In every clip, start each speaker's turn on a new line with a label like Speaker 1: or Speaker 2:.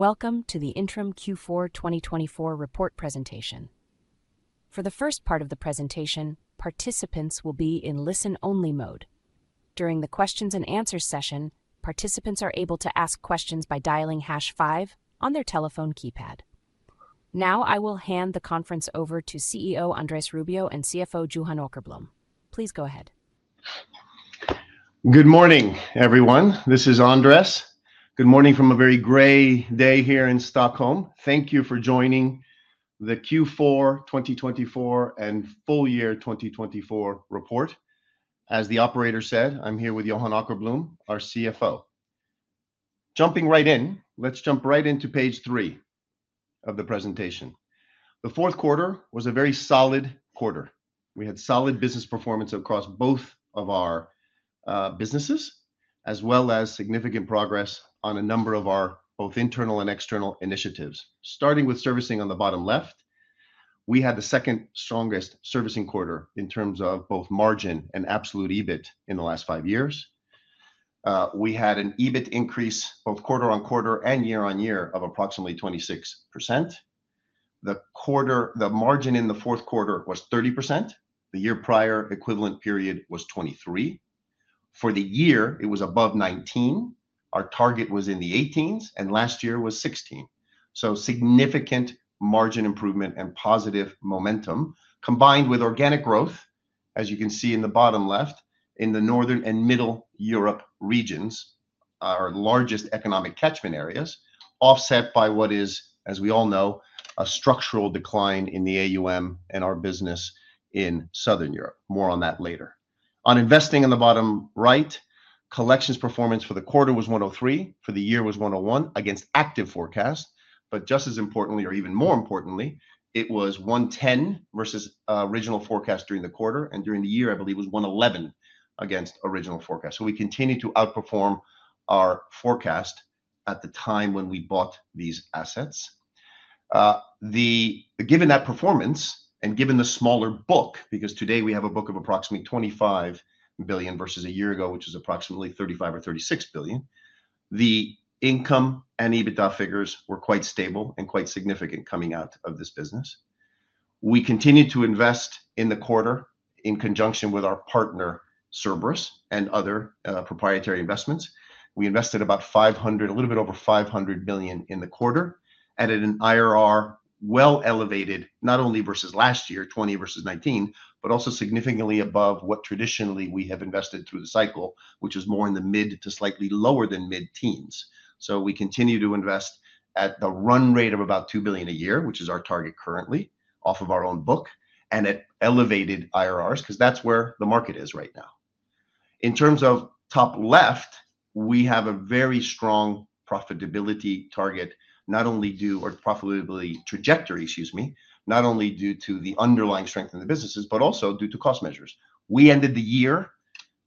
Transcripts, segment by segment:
Speaker 1: Welcome to the Intrum Q4 2024 report presentation. For the first part of the presentation, participants will be in listen only mode. During the questions and answers session, participants are able to ask questions by dialing 5 on their telephone keypad. Now I will hand the conference over to CEO Andrés Rubio and CFO Johan Åkerblom. Please go ahead.
Speaker 2: Good morning everyone. This is Andrés. Good morning from a very gray day here in Stockholm. Thank you for joining the Q4 2024 and Full Year 2024 report. As the operator said, I'm here with Johan Åkerblom, our CFO. Jumping right in. Let's jump right into page three of the presentation. The Fourth Quarter was a very solid quarter. We had solid business performance across both of our businesses as well as significant progress on a number of our both internal and external initiatives. Starting with Servicing on the bottom left, we had the second strongest Servicing quarter in terms of both margin and absolute EBIT. In the last five years we had an EBIT increase both Quarter-on-Quarter and Year-on-Year of approximately 26%. The margin in the Fourth Quarter was 30%. The year prior equivalent period was 23%. For the year it was above 19%. Our target was in the 18s and last year was 16. So significant margin improvement and positive momentum combined with organic growth as you can see in the bottom left in the Northern and Middle Europe regions, our largest economic catchment areas, offset by what is, as we all know, a structural decline in the AUM and our business in Southern Europe. More on that later on. Investing in the bottom right Collections performance for the quarter was 103 for the year was 101 against active forecast, but just as importantly or even more importantly it was 110 versus Original Forecast during the quarter and during the year I believe was 111 against Original Forecast. So we continue to outperform our forecast at the time when we bought these assets given that performance and given the smaller book. Because today we have a book of approximately 25 billion versus a year ago, which is approximately 35 billion or 36 billion. The income and EBITDA figures were quite stable and quite significant coming out of this business. We continue to invest in the quarter in conjunction with our partner Cerberus and other proprietary investments. We invested about 500, a little bit over 500 million in the quarter, added an IRR well elevated not only versus last year 20 versus 19, but also significantly above what traditionally we have invested through the cycle, which is more in the mid to slightly lower than mid teens. So we continue to invest at the run rate of about 2 billion a year, which is our target currently off of our own book. And it elevated IRRs, because that's where the market is right now. In terms of top left, we have a very strong profitability target. Excuse me, not only due to the underlying strength in the businesses, but also due to cost measures. We ended the year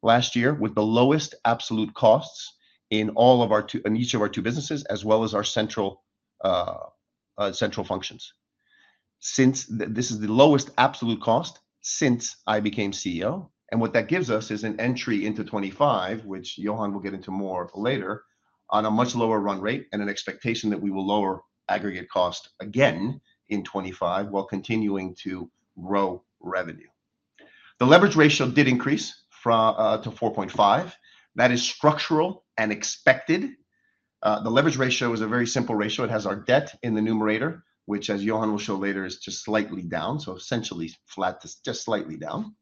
Speaker 2: last year with the lowest absolute costs in each of our two businesses, as well as our central functions. This is the lowest absolute cost since I became CEO. What that gives us is an entry into 2025, which Johan will get into more later on a much lower run rate and an expectation that we will lower aggregate cost again in 2025 while continuing to grow revenue. The Leverage Ratio did increase to 4.5. That is structural and expected. The Leverage Ratio is a very simple ratio. It has our debt in the numerator, which as Johan will show later, is just slightly down. So essentially flat to just slightly down.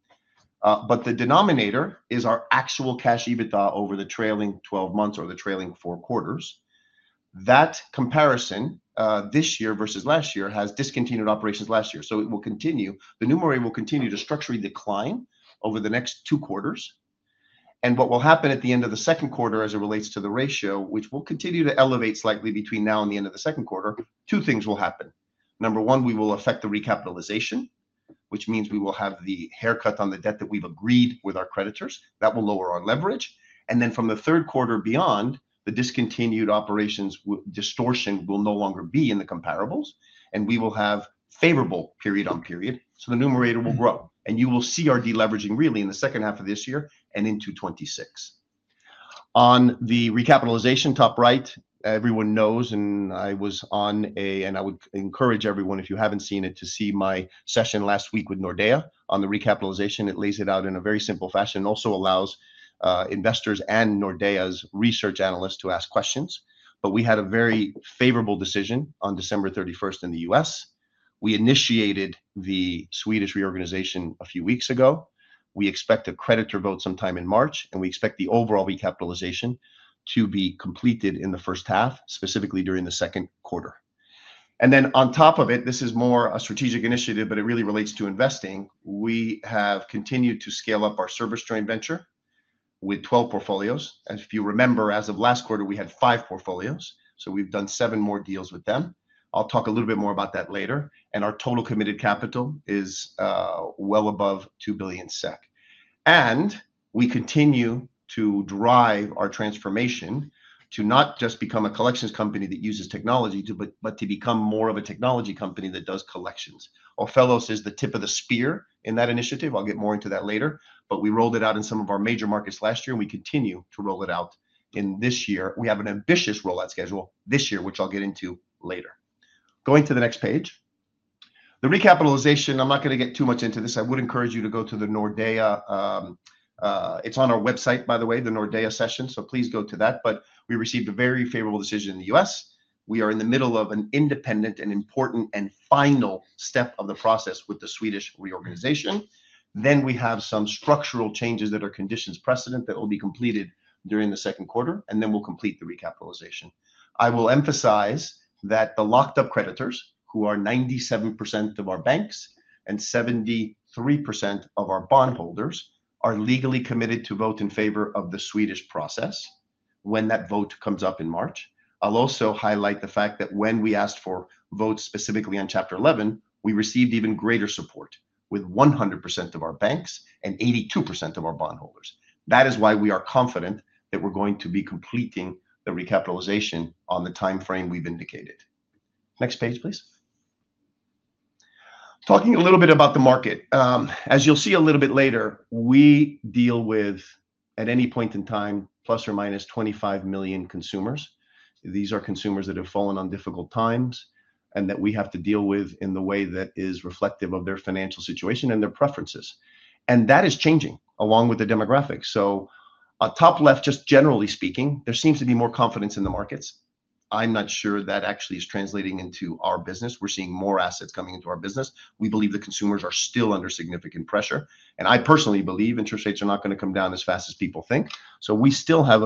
Speaker 2: But the denominator is our actual Cash EBITDA over the trailing twelve months or the Trailing Four Quarters. That comparison this year versus last year has Discontinued Operations last year. So it will continue. The Norway will continue to structurally decline over the next two quarters. And what will happen at the end of the second quarter as it relates to the ratio, which will continue to elevate slightly between now and the end of the second quarter, two things will happen. Number one, we will effect the Recapitalization, which means we will have the haircut on the debt that we've agreed with our creditors. That will lower our leverage. And then from the third quarter, beyond the Discontinued Operations, distortion will no longer be in the comparables and we will have favorable period on period. So the numerator will grow and you will see our deleveraging really in the second half of this year and into 2026 on the Recapitalization top right. Everyone knows, and I was on a. And I would encourage everyone, if you haven't seen it, to see my session last week with Nordea on the Recapitalization. It lays it out in a very simple fashion, also allows investors and Nordea's research analysts to ask questions. But we had a very favorable decision on December 31st in the U.S. We initiated the Swedish Reorganization a few weeks ago. We expect a creditor vote sometime in March. We expect the overall Recapitalization to be completed in the first half, specifically during the second quarter and then on top of it. This is more a strategic initiative, but it really relates to investing. We have continued to scale up our Servicing Joint Venture with 12 portfolios. As you remember, as of last quarter we had five portfolios. So we've done seven more deals with them. I'll talk a little bit more about that later. Our total committed capital is well above 2 billion SEK. We continue to drive our transformation to not just become a collections company that uses technology, but to become more of a technology company that does collections. Ophelos is the tip of the spear in that initiative. I'll get more into that later. We rolled it out in some of our major markets last year and we continue to roll it out in this year. We have an ambitious rollout schedule this year which I'll get into later. Going to the next page, the Recapitalization. I'm not going to get too much into this. I would encourage you to go to the Nordea. It's on our website, by the way, the Nordea session. So please go to that. We received a very favorable decision in the U.S. We are in the middle of an independent and important and final step of the process with the Swedish Reorganization. Then we have some structural changes that are conditions precedent that will be completed during the second quarter and then we'll complete the Recapitalization. I will emphasize that the locked up creditors who are 97% of our banks and 73% of our bondholders are legally committed to vote in favor of the Swedish process when that vote comes up in March. I'll also highlight the fact that when we asked for votes specifically on Chapter 11, we received even greater support with 100% of our banks and 82% of our bondholders. That is why we are confident that we're going to be completing the Recapitalization on the timeframe we've indicated. Next page, please. Talking a little bit about the market. As you'll see a little bit later, we deal with at any point in time plus or minus 25 million consumers. These are consumers that have fallen on difficult times and that we have to deal with in the way that is reflective of their financial situation and their preferences and that is changing along with the demographics. So, top left. Just generally speaking, there seems to be more confidence in the markets. I'm not sure that actually is translating into our business. We're seeing more assets coming into our business. We believe the consumers are still under significant pressure and I personally believe interest rates are not going to come down as fast as people think. So, we still have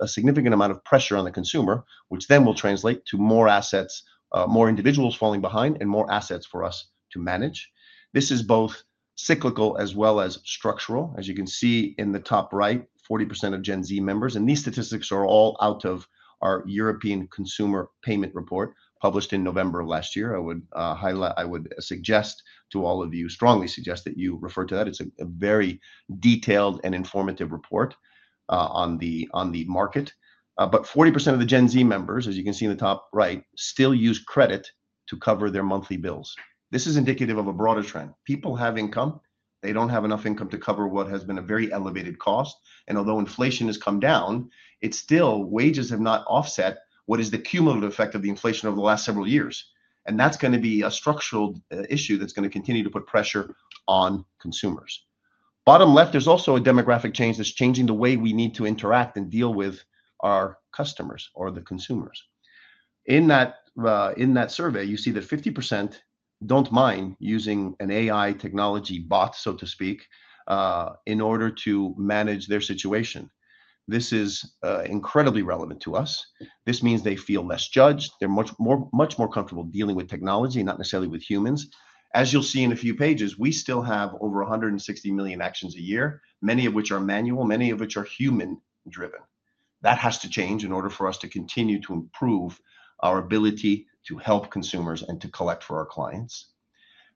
Speaker 2: a significant amount of pressure on the consumer which then will translate to more assets, more individuals falling behind and more assets for us to manage. This is both cyclical as well as structural. As you can see in the top right, 40% of Gen Z members and these statistics are all out of our European Consumer Payment Report published in November of last year. I would suggest to all of you, strongly suggest that you refer to that. It's a very detailed and informative report on the market, but 40% of the Gen Z members, as you can see in the top right, still use credit to cover their monthly bills. This is indicative of a broader trend. People have income, they don't have enough income to cover what has been a very elevated cost, and although inflation has come down, it's still wages have not offset what is the cumulative effect of the inflation over the last several years, and that's going to be a structural issue that's going to continue to put pressure on consumers. Bottom left, there's also a demographic change that's changing the way we need to interact and deal with our customers or the consumers. In that survey you see that 50% don't mind using an AI technology bot, so to speak, in order to manage their situation. This is incredibly relevant to us. This means they feel less judged, they're much more, much more comfortable dealing with technology, not necessarily with humans. As you'll see in a few pages, we still have over 160 million actions a year, many of which are manual, many of which are human driven. That has to change in order for us to continue to improve our ability to help consumers and to collect for our clients.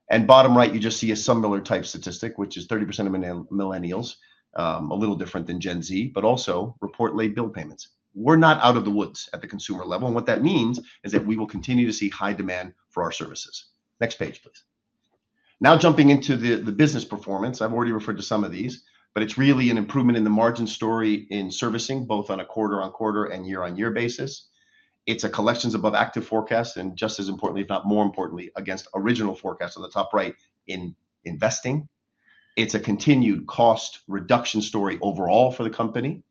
Speaker 2: And bottom right you just see a similar type statistic which is 30% of Millennials, a little different than Gen Z, but also report late bill payments.M We're not out of the woods at the consumer level and what that means is that we will continue to see high demand for our services. Next page please. Now jumping into the business performance. I've already referred to some of these but it's really an improvement in the margin story in Servicing both on a Quarter-on-Quarter and Year-on-Year basis. It's collections above Active Forecast and just as importantly, if not more importantly, against Original Forecast. On the top right in Investing it's a continued cost reduction story overall for the company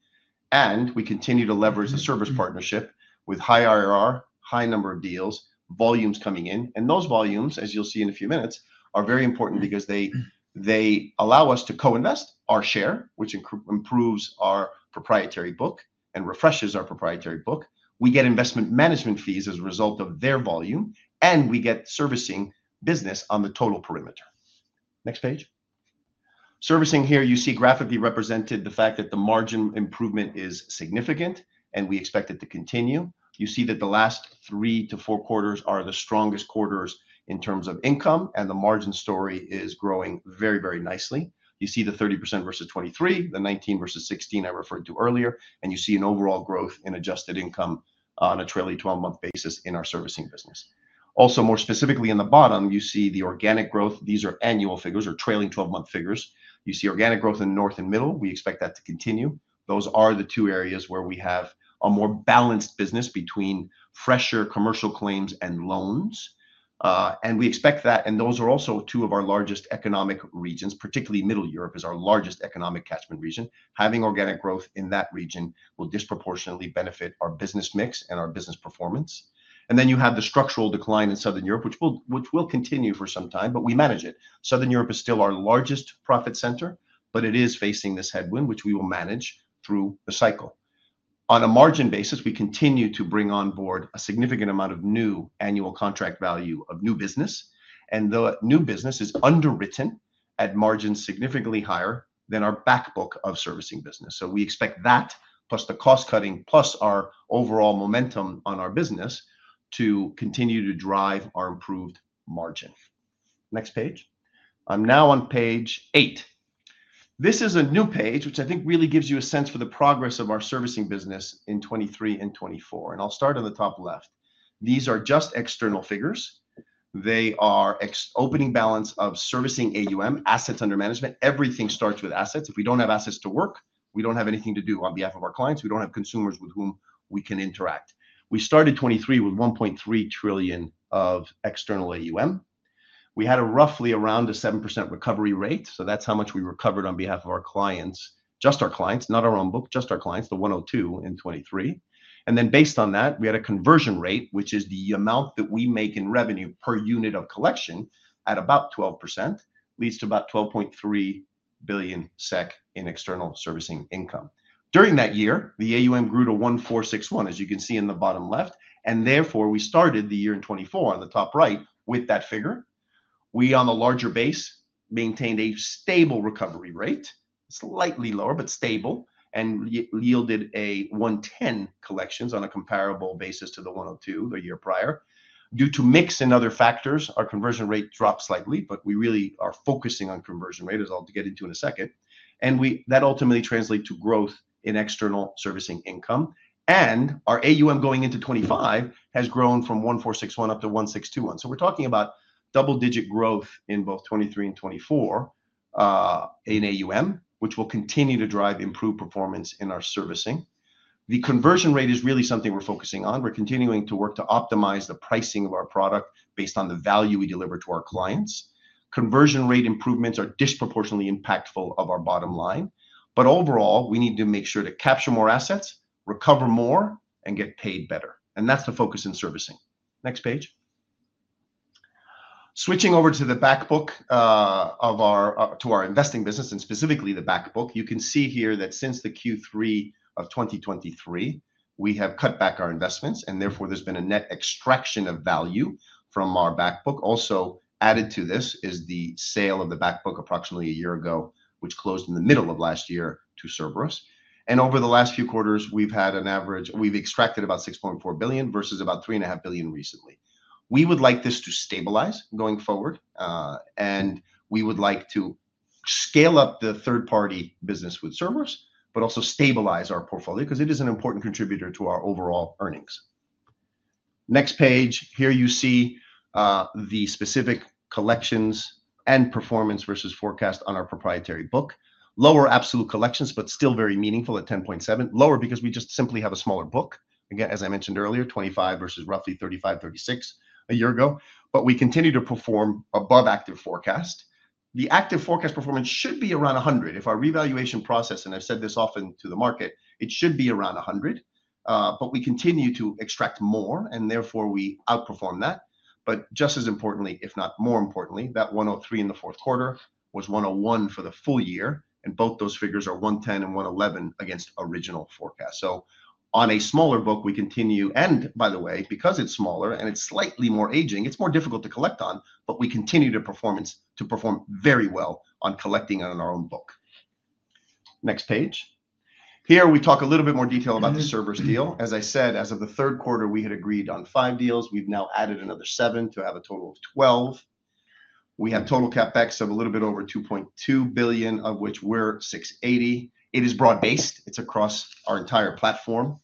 Speaker 2: and we continue to leverage the service partnership with high IRR, high number of deals, volumes coming in and those volumes as you'll see in a few minutes are very important because they allow us to co-invest our share which improves our proprietary book and refreshes our proprietary book. We get investment management fees as a result of their volume and we get servicing business on the total perimeter. Next page. Servicing. Here you see graphically represented the fact that the margin improvement is significant and we expect it to continue. You see that the last three to four quarters are the strongest quarters in terms of income. And the margin story is growing very very nicely. You see the 30% versus 23%, the 19% versus 16% I referred to earlier. And you see an overall growth in Adjusted Income on a Trailing Twelve-Month basis in our servicing business. Also more specifically in the bottom you see the organic growth. These are annual figures or Trailing Twelve-Month figures. You see organic growth in North and Middle. We expect that to continue. Those are the two areas where we have a more balanced business between fresher commercial claims and loans. And we expect that. And those are also two of our largest economic regions. Particularly Middle Europe is our largest economic catchment region. Having organic growth in that region will disproportionately benefit our business mix and our business performance. And then you have the structural decline in Southern Europe which will continue for some time. But we manage it. Southern Europe is still our largest profit center but it is facing this headwind which we will manage through the cycle on a margin basis. We continue to bring on board a significant amount of new Annual Contract Value of new business. And the new business is underwritten at margins significantly higher than our back book of servicing business. So we expect that plus the cost cutting plus our overall momentum on our business to continue to drive our improved margin. Next page. I'm now on page eight. This is a new page which I think really gives you a sense for the progress of our servicing business in 2023 and 2024. And I'll start on the top left. These are just external figures. They are the opening balance of Servicing AUM, Assets Under Management. Everything starts with assets. If we don't have assets to work, we don't have anything to do on behalf of our clients. We don't have consumers with whom we can interact. We started 2023 with 1.3 trillion of External AUM. We had a roughly around a 7% recovery rate. So that's how much we recovered on behalf of our clients. Just our clients, not our own book, just our clients. The 102 in 2023 and then based on that we had a conversion rate which is the amount that we make in revenue per unit of collection at about 12% leads to about 12.3 billion SEK in External Servicing Income. During that year the AUM grew to 1461. As you can see in the bottom left and therefore we started the year in 2024 on the top right with that figure. We on the larger base maintained a stable recovery rate, slightly lower but stable and yielded a 110 collections on a comparable basis to the 102 the year prior. Due to mix and other factors, our conversion rate dropped slightly, but we really are focusing on conversion rate as I'll get into in a second and that ultimately translates to growth in External Servicing Income, and our AUM going into 2025 has grown from 1461 up to 1421. We're talking about double-digit growth in both 2023 and 2024 in AUM, which will continue to drive improved performance in our servicing. The conversion rate is really something we're focusing on. We're continuing to work to optimize the pricing of our product based on the value we deliver to our clients. Conversion rate improvements are disproportionately impactful on our bottom line, but overall we need to make sure to capture more assets, recover more and get paid better. That's the focus in Servicing. Next page. Switching over to the back book of our investing business and specifically the back book. You can see here that since the Q3 of 2023 we have cut back our investments and therefore there's been a net extraction of value from our back book. Also added to this is the sale of the back book approximately a year ago which closed in the middle of last year to Cerberus. Over the last few quarters we've had an average we've extracted about 6.4 billion versus about 3.5 billion recently. We would like this to stabilize going forward and we would like to scale up the third party business with servicers but also stabilize our portfolio because it is an important contributor to our overall earnings. Next page here you see the specific collections and performance versus forecast on our proprietary book. Lower absolute collections but still very meaningful at 10.7 billion lower because we just simply have a smaller book. Again as I mentioned earlier 25 versus roughly 35-36 a year ago but we continue to perform above Actual Forecast. The Actual Forecast performance should be around 100%. If our revaluation process and I've said this often to the market, it should be around 100, but we continue to extract more and therefore we outperform that but just as importantly, if not more importantly that 103 in the fourth quarter was 101 for the full year and both those figures are 110 and 111 against Original Forecast, so on a smaller book we continue. And by the way, because it's smaller and it's slightly more aging, it's more difficult to collect on, but we continue to perform very well on collecting on our own book. Next page here we talk a little bit more detail about the Cerberus deal. As I said, as of the third quarter we had agreed on five deals. We've now added another seven to have a total of 12. We have total CapEx of a little bit over 2.2 billion of which we're 680. It is broad based, it's across our entire platform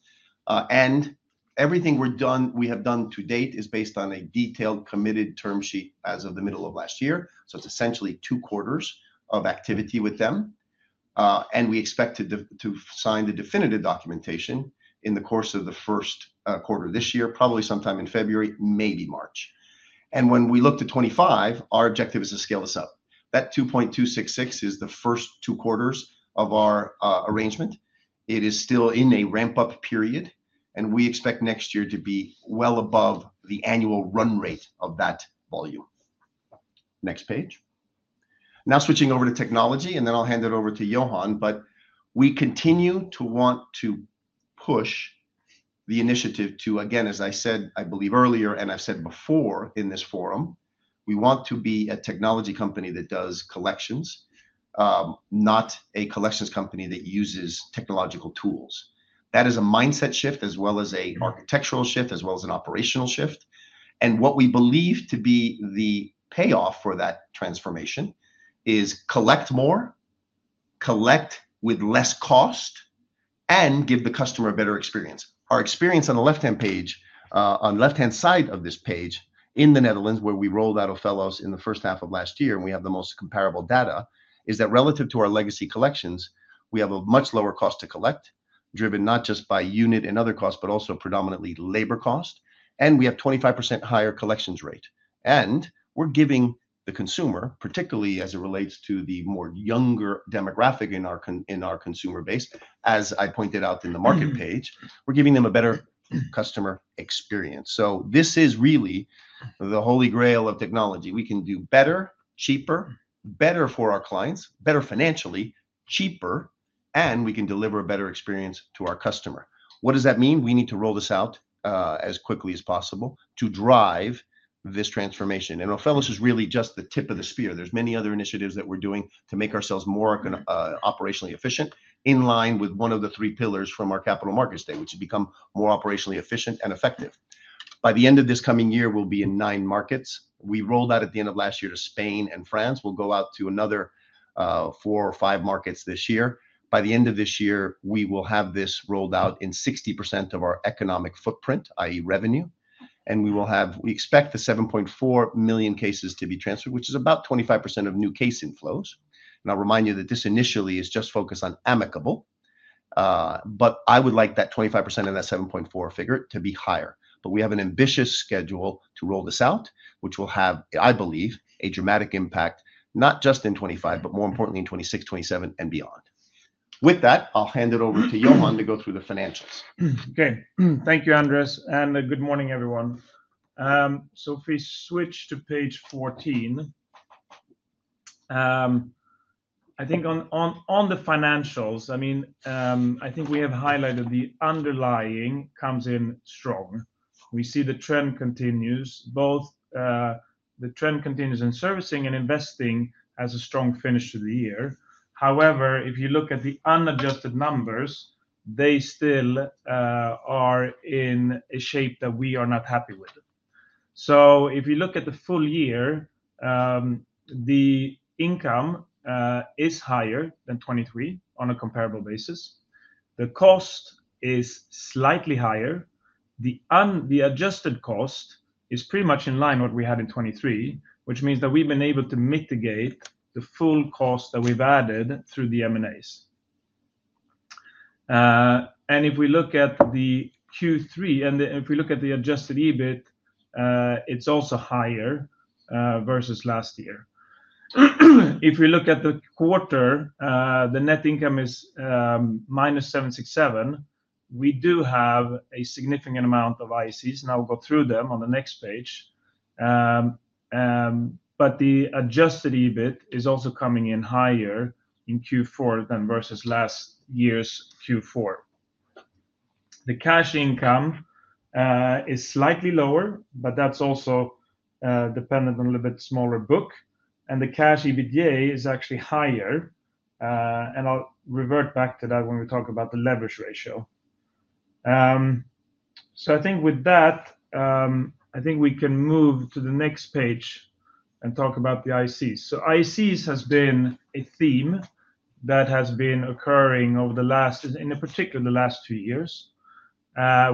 Speaker 2: and everything we have done to date is based on a detailed Committed Term Sheet as of the middle of last year. So it's essentially 2/4 of activity with them. And we expect to sign the Definitive Documentation in the course of the first quarter this year, probably sometime in February, maybe March. And when we look to 2025, our objective is to scale this up. That 2.266 is the first 2/4 of our arrangement. It is still in a Ramp-Up-Period and we expect next year to be well above the Annual Run Rate of that volume. Next page. Now switching over to technology and then I'll hand it over to Johan. But we continue to want to push the initiative to. Again, as I said, I believe earlier and I've said before in this forum, we want to be a Technology Company that does collections, not a Collections Company that uses technological tools. That is a Mindset Shift as well as an Architectural Shift as well as an Operational Shift. And what we believe to be the payoff for that transformation is collect more, collect more with less cost and give the customer a better experience. Our experience on the left hand page, on the left hand side of this page in the Netherlands, where we rolled out Ophelos in the first half of last year and we have the most comparable data is that relative to our Legacy Collections, we have a much lower Cost to Collect, driven not just by unit and other costs, but also predominantly Labor Cost. And we have 25% higher Collections Rate. We're giving the consumer particularly as it relates to the more younger demographic in our consumer base, as I pointed it out in the market page, a better customer experience. This is really the holy grail of technology. We can do better, cheaper, better for our clients, better financially cheaper and we can deliver a better experience to our customer. What does that mean? We need to roll this out as quickly as possible to drive this transformation. Ophelos is really just the tip of the spear. There's many other initiatives that we're doing to make ourselves more operationally efficient and in line with one of the Three Pillars from our Capital Markets Day, which has become more operationally efficient and effective. By the end of this coming year, we'll be in nine markets we rolled out at the end of last year to Spain and France. We'll go out to another four or five markets this year. By the end of this year, we will have this rolled out in 60% of our Economic Footprint. That is revenue. And we expect the 7.4 million cases to be transferred, which is about 25% of New Case Inflows. And I'll remind you that this initially is just focused on Amicable, but I would like that 25% in that 7.4 figure to be higher. But we have an ambitious schedule to roll this out, which will have, I believe, a dramatic impact, not just in 2025, but more importantly in 2026, 2027 and beyond. With that, I'll hand it over to Johan to go through the Financials.
Speaker 3: Okay, thank you, Andrés, and good morning everyone. So if we switch to page 14, I think on the Financials, I mean, I think we have highlighted the underlying comes in strong. We see the trend continues. Both the trend continues in Servicing and Investing has a strong finish to the year. However, if you look at the Unadjusted Numbers, they still are in a shape that we are not happy with. So if you look at the full year, the income is higher than 2023. On a Comparable Basis, the cost is slightly higher. The Adjusted Cost is pretty much in line what we had in 2023, which means that we've been able to mitigate the full cost that we've added through the M&A. And if we look at the Q3 and if we look at the Adjusted EBIT, it's also higher versus last year. If we look at the quarter, the Net Income is -767. We do have a significant amount of IACs, and I'll go through them on the next page, but the Adjusted EBIT is also coming in higher in Q4 than versus last year's Q4. The Cash Income is slightly lower, but that's also dependent on a little bit smaller book. And the Cash EBITDA is actually higher. And I'll revert back to that when we talk about the Leverage Ratio. So I think with that, I think we can move to the next page. Talk about the IACs. So IACs has been a theme that has been occurring over the last, in particular, the last two years.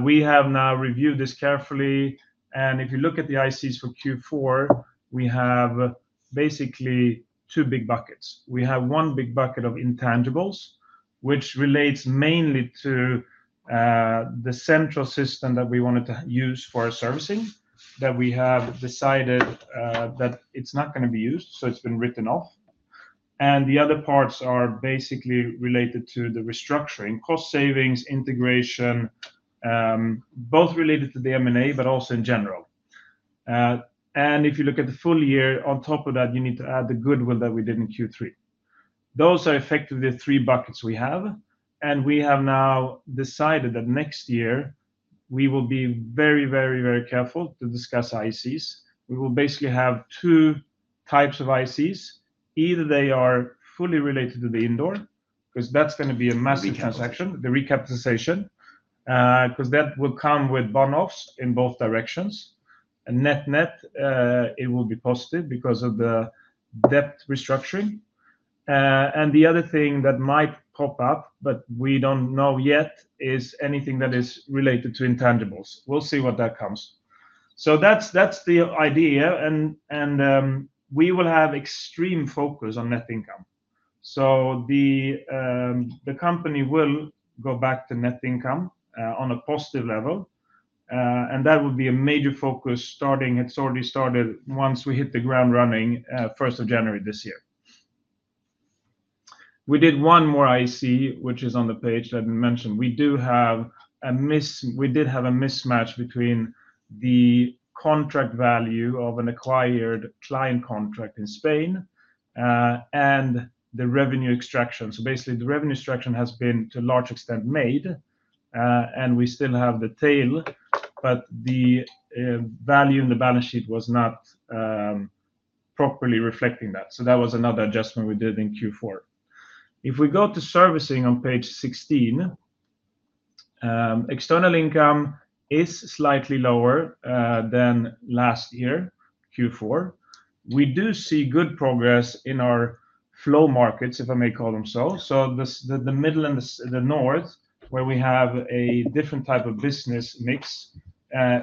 Speaker 3: We have now reviewed this carefully, and if you look at the IACs for Q4, we have basically two big buckets. We have one big bucket of Intangibles which relates mainly to the Central System that we wanted to use for our Servicing that we have decided that it's not going to be used so it's been written off. And the other parts are basically related to the Restructuring, Cost, Savings, Integration, both related to the M and A, but also in general. And if you look at the full year on top of that, you need to add the Goodwill that we did in Q3. Those are effectively the three buckets we have. And we have now decided that next year we will be very, very, very careful to discuss IACs. We will basically have two types of IACs. Either they are fully related to the indoor because that's going to be a massive transaction. The Recapitalization, because that will come with One-Offs in both directions. Net net it will be positive because of the debt restructuring. And the other thing that might pop up, but we don't know yet is anything that is related to Intangibles. We'll see what that comes. So that's the idea. And we will have extreme focus on Net Income. So the company will go back to net income on a positive level and that will be a major focus. Starting. It's already started. Once we hit the ground running 1st of January this year, we did one more IAC which is on the page that mentioned we do have a miss. We did have a mismatch between the Contract Value of an acquired client contract in Spain and the Revenue Extraction. Basically the revenue extraction has been to a large extent made and we still have the tail, but the value in the balance sheet was not properly reflecting that. That was another adjustment we did in Q4. If we go to Servicing on page 16, External Income is slightly lower than last year Q4. We do see good progress in our Flow Markets, if I may call them. The Middle and the North, where we have a different type of business mix,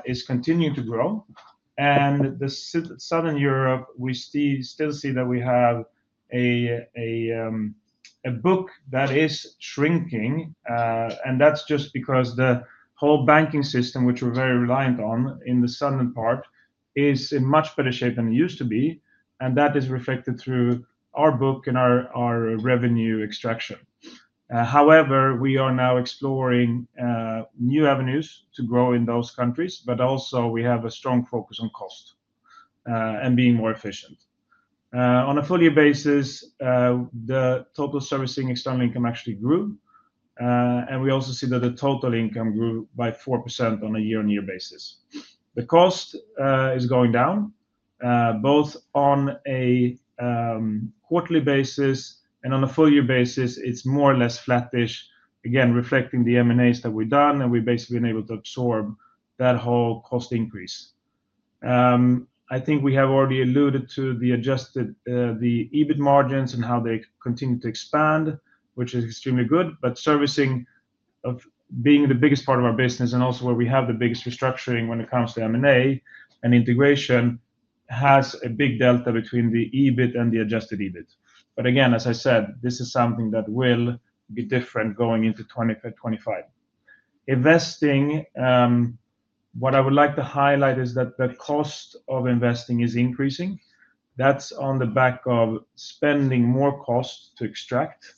Speaker 3: is continuing to grow. Southern Europe, we still see that we have a book that is shrinking and that's just because the whole banking system, which we're very reliant on in the southern part, is in much better shape than it used to be. That is reflected through our book and our revenue extraction. However, we are now exploring new avenues to grow in those countries. But also we have a strong focus on cost and being more efficient on a full year basis. The total Servicing external income actually grew and we also see that the total income grew by 4% on a year on year basis. The cost is going down both on a quarterly basis and on a full year basis. It's more or less flattish again reflecting the M and A that we've done and we've basically been able to absorb that whole cost increase. I think we have already alluded to the Adjusted EBIT margins and how they continue to expand, which is extremely good. But servicing being the biggest part of our business and also where we have the biggest restructuring when it comes to M&A and Integration has a big delta between the EBIT and the adjusted EBIT. But again, as I said, this is something that will be different going into 2025 Investing. What I would like to highlight is that the cost of Investing is increasing. That's on the back of spending more cost to extract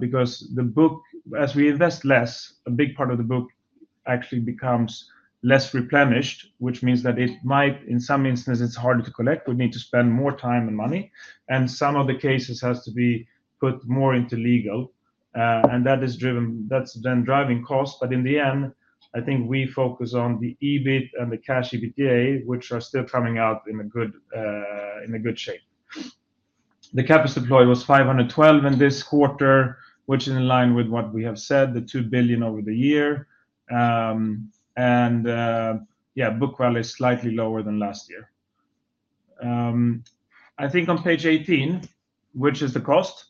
Speaker 3: because the book, as we invest less, a big part of the book actually becomes less replenished which means that it might in some instances it's harder to collect. We need to spend more time and money and some of the cases has to be put more into legal and that is driven. That's then driving costs. But in the end, I think we focus on the EBIT and the Cash EBITDA, which are still coming out in a good shape. The CapEx Deploy was 512 in this quarter, which is in line with what we have said, the 2 billion over the year. And yeah, Book Value is slightly lower than last year. I think on page 18, which is the cost,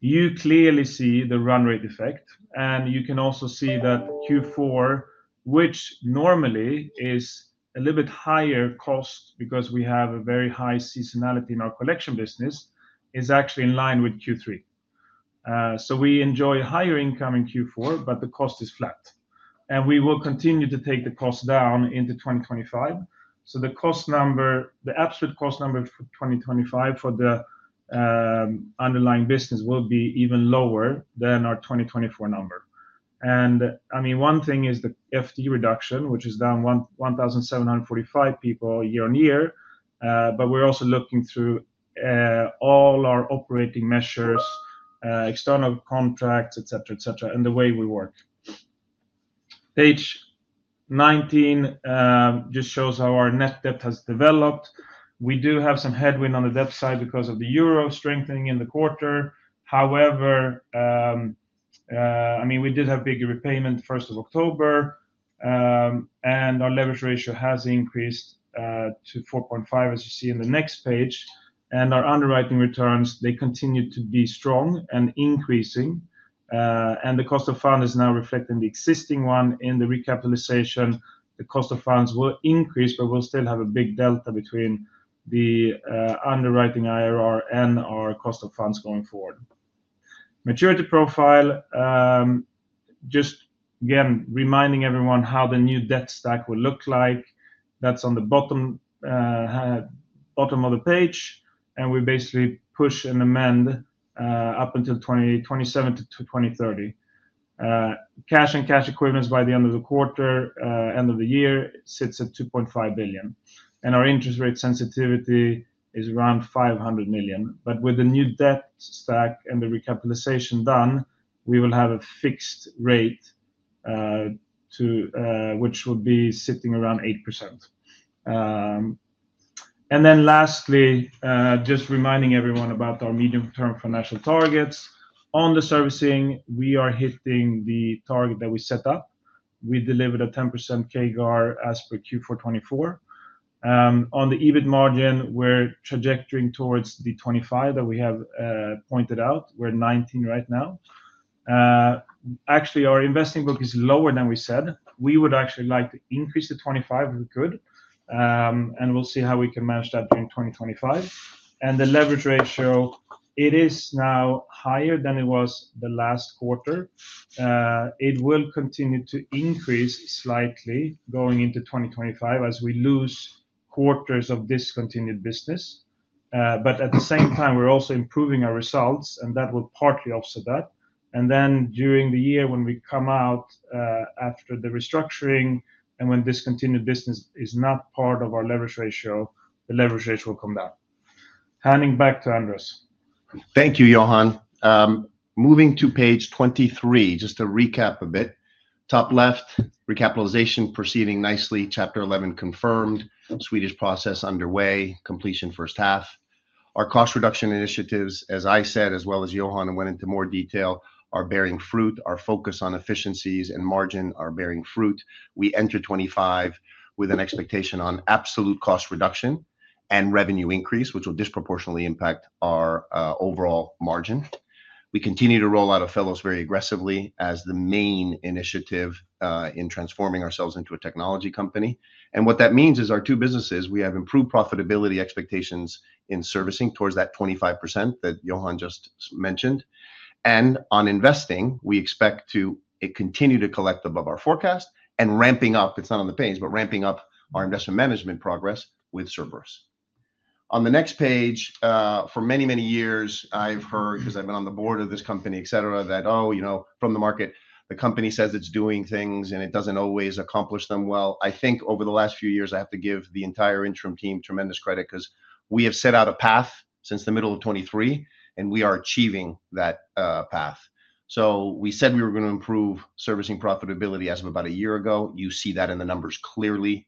Speaker 3: you clearly see the run rate effect, and you can also see that Q4, which normally is a little bit higher cost because we have a very high seasonality in our Collection business, is actually in line with Q3. So we enjoy higher income in Q4, but the cost is flat, and we will continue to take the cost down into 2025. So the cost number, the absolute cost number for 2025 for the underlying business, will be even lower than our 2024 number. I mean one thing is the FD reduction which is down 1,745 people year on year. We're also looking through all our Operating Measures, External Contracts, etc, etc and the way we work. Page 19 just shows how our net debt has developed. We do have some headwind on the debt side because of the euro strengthening in the quarter. However, I mean we did have big repayment first of October and our Leverage Ratio has increased to 4.5 as you see in the next page. Our underwriting returns, they continue to be strong and increasing. The cost of fund is now reflecting the existing one. In the Recapitalization, the cost of funds will increase, but we'll still have a big delta between the underwriting IRR and our Cost of Funds going forward. Maturity profile, just again reminding everyone how the new debt stack will look like. That's on the bottom of the page, and we basically push and amend up until 2027-2030. Cash and cash equivalents by the end of the quarter. End of the year sits at 2.5 billion and our Interest Rate Sensitivity is around 500 million. With the new debt stack and the Recapitalization done, we will have a fixed rate which will be sitting around 8%. Then lastly, just reminding everyone about our Medium Term Financial targets. On the Servicing we are hitting the target that we set up. We delivered a 10% CAGR as per Q4 2024 on the EBIT Margin. We're trajectoring towards the 25% that we have pointed out. We're 19% right now. Actually our Investing Book is lower than we said. We would actually like to increase the 25%. Good. We'll see how we can manage that during 2025. The Leverage Ratio is now higher than it was the last quarter. It will continue to increase slightly going into 2025 as we lose quarters of discontinued business. At the same time we're also improving our results and that will partly offset that. Then during the year when we come out after the restructuring and when Discontinued Business is not part of our leverage ratio, the Leverage Ratio will come down. Handing back to Andrés.
Speaker 2: Thank you, Johan. Moving to page 23 just to recap a bit, top left Recapitalization proceeding nicely. Chapter 11 confirmed. Swedish process underway. Completion First Half. Our Cost Reduction Initiatives, as I said as well as Johan and went into more detail, are bearing fruit. Our focus on efficiencies and margin are bearing fruit. We entered 2025 with an expectation on Absolute Cost Reduction and Revenue Increase which will disproportionately impact our overall margin. We continue to roll out Ophelos very aggressively as the main initiative in transforming ourselves into a technology company. And what that means is our two businesses. We have improved profitability expectations and in Servicing towards that 25% that Johan just mentioned. And on Investing, we expect to continue to collect above our forecast. And ramping up. It's not on the page, but ramping up our Investment Management progress with Cerberus on the next page. For many, many years I've heard, because I've been on the board of this company, etc. That, oh, you know, from the market, the company says it's doing things and it doesn't always accomplish them. I think over the last few years I have to give the entire interim team tremendous credit because we have set out a path since the middle of 2023 and we are achieving that path. We said we were going to improve servicing profitability as of about a year ago. You see that in the numbers clearly.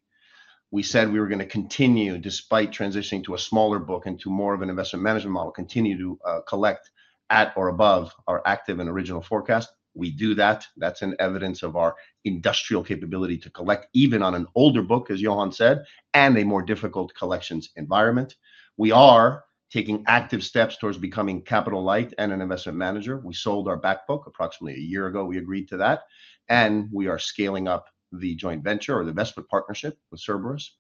Speaker 2: We said we were going to continue, despite transitioning to a smaller book, into more of an investment management model, continue to collect at or above our active and original forecast. We do that. That's an evidence of our industrial capability to collect, even on an older book, as Johan said, and a more difficult collections environment. We are taking active steps towards becoming capital light and an investment manager. We sold our back book approximately a year ago, we agreed to that and we are scaling up the joint venture or the Vespa partnership with Cerberus,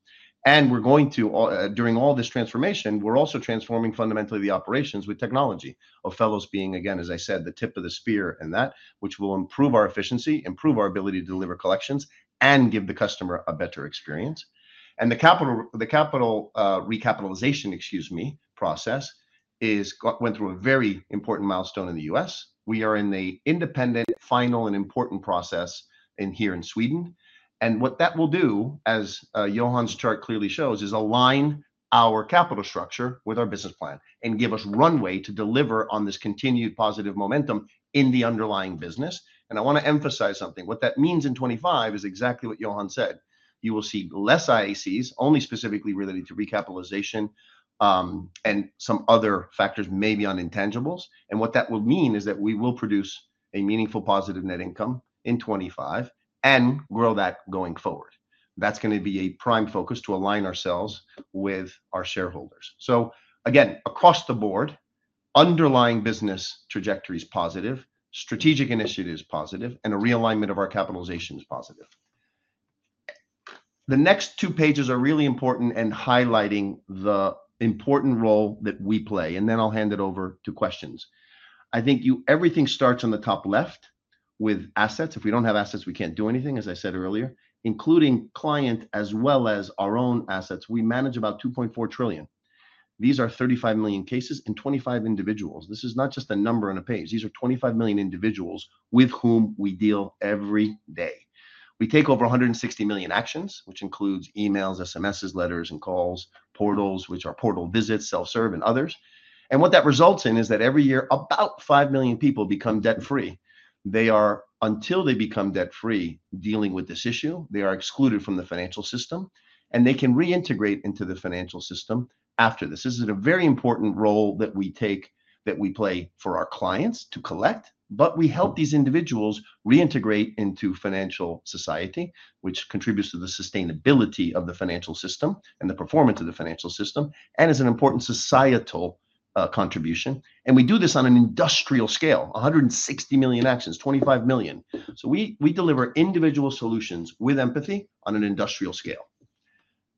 Speaker 2: and we're going to. During all this transformation, we're also transforming fundamentally the operations with Ophelos being again, as I said, the tip of the spear, and that which will improve our efficiency, improve our ability to deliver collections and give the customer a better experience, and the capital recapitalization, excuse me, process went through a very important milestone in the U.S. We are in the independent, final, and important process here in Sweden. And what that will do, as Johan's chart clearly shows, is align our capital structure with our business plan and give us runway to deliver on this continued positive momentum in the underlying business. And I want to emphasize something. What that means in 2025 is exactly what Johan said. You will see less IACs only specifically related to Recapitalization and some other factors may be on Intangibles. And what that will mean is that we will produce a meaningful positive Net Income in 2025 and grow that going forward. That's going to be a prime focus to align ourselves with our shareholders. So again, across the board, underlying business trajectory is positive, strategic initiatives positive. And a realignment of our capitalization is positive. The next two pages are really important and highlighting the important role that we play. And then I'll hand it over to questions. I think everything starts on the top left with assets. If we don't have assets, we can't do anything. As I said earlier, including client as well as our own assets, we manage about 2.4 trillion. These are 35 million cases and 25 million individuals. This is not just a number on a page. These are 25 million individuals with whom we deal. Every day we take over 160 million actions, which includes emails, SMS, letters and calls. Portals, which are portal visits, self-serve and others. And what that results in is that every year about 5 million people become debt free. Until they become debt free dealing with this issue, they are excluded from the financial system. And they can reintegrate into the financial system after this. This is a very important role that we take, that we play for our clients to collect. But we help these individuals reintegrate into financial society, which contributes to the sustainability of the Financial System and the performance of the Financial System and is an important societal contribution. And we do this on an industrial scale. 160 million actions, 25 million. So we deliver individual solutions with empathy on an industrial scale.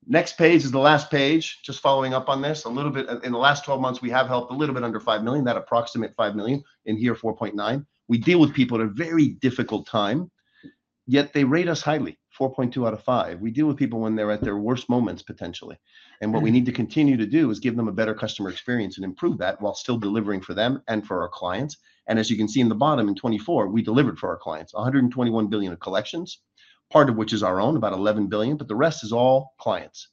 Speaker 2: Next page is the last page. Just following up on this a little bit. In the last 12 months we have helped a little bit under five million. That's approximately five million in here. 4.9. We deal with people at a very difficult time, yet they rate us highly. 4.2 out of five. We deal with people when they're at their worst moments, potentially. And what we need to continue to do is give them a better Customer Experience and improve that while still delivering for them and for our clients. And as you can see in the bottom, in 2024 we delivered for our clients 121 billion of collections, part of which is our own, about 11 billion, but the rest is all clients.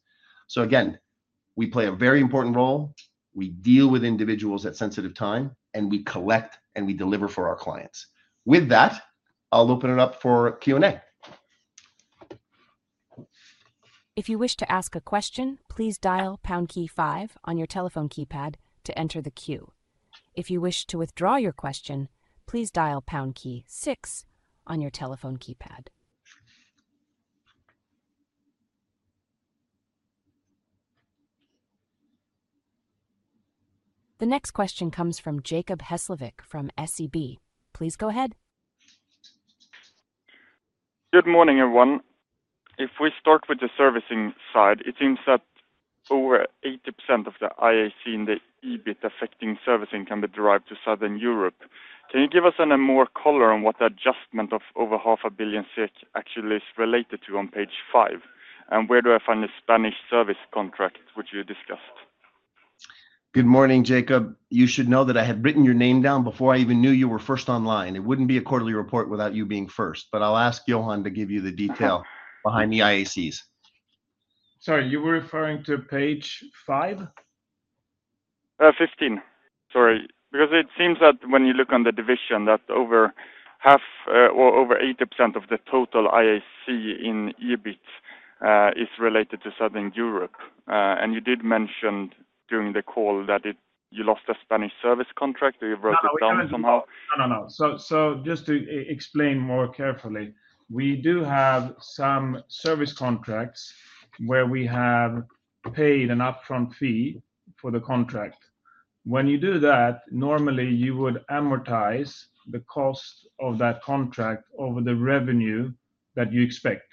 Speaker 2: So again, we play a very important role. We deal with individuals at sensitive time and we collect and we deliver for our clients. With that, I'll open it up for Q and A.
Speaker 1: If you wish to ask a question, please dial pound key five on your telephone keypad to enter the queue. If you wish to withdraw your question, please dial key six on your telephone keypad. The next question comes from Jacob Hesslevik from SEB. Please go ahead.
Speaker 4: Good morning, everyone. If we start with the Servicing side, it seems that over 80% of the IAC in the EBIT affecting Servicing can be derived to Southern Europe. Can you give us more color on what the adjustment of over 500 million actually is related to on page five? And where do I find the Spanish service contract which you discussed?
Speaker 2: Good morning, Jacob. You should know that I had written your name down before I even knew you were first online. It wouldn't be a quarterly report without you being first. But I'll ask Johan to give you the detail behind the IACs.
Speaker 3: Sorry, you were referring to page five?
Speaker 4: 15. Sorry. Because it seems that when you look at the division that over half or over 80% of the total IAC in EBIT is related to Southern Europe. And you did mention during the call that you lost a Spanish servicing contract or you wrote it down somehow.
Speaker 3: No, no, no. So just to explain more carefully, we do have some service contracts where we have paid an upfront fee for the contract. When you do that, normally you would amortize the cost of that contract over the revenue that you expect.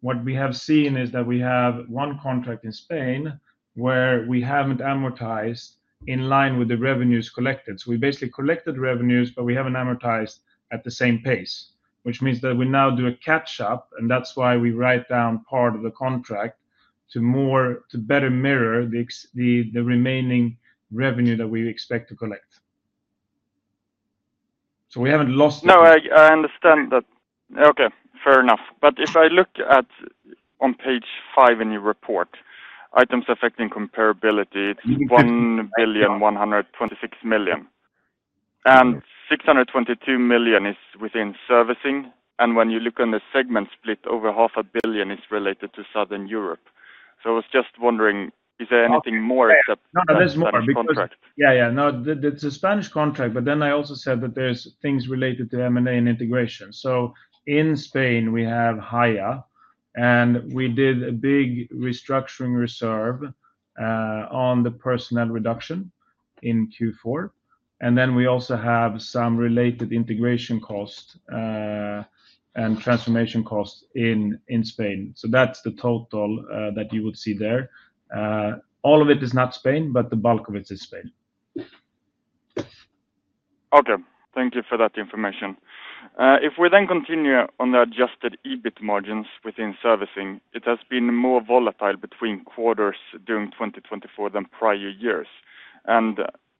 Speaker 3: What we have seen is that we have one contract in Spain where we haven't amortized in line with the revenues collected. So we basically collected revenues but we haven't amortized at the same pace, which means that we now do a catch up and that's why we write down part of the contract to more to better mirror the remaining revenue that we expect to collect. So we haven't lost.
Speaker 4: No, I understand that. Okay, fair enough. But if I look at on page five in your report Items Affecting Comparability, it's 1.126 billion and 622 million is within Servicing. And when you look on the segment split over 500 million is related to Southern Europe. So I was just wondering is there anything more except.
Speaker 3: Yeah, yeah, no, it's a Spanish contract, but then I also said that there's things related to M and A and integration, so in Spain we have Haya and we did a big restructuring reserve on the personnel reduction in Q4, and then we also have some related integration cost and transformation costs in Spain, so that's the total that you would see there. All of it is not Spain, but the bulk of it is Spain.
Speaker 4: Okay, thank you for that information. If we then continue on the Adjusted EBIT margins within Servicing, it has been more volatile between quarters during 2020 than prior years.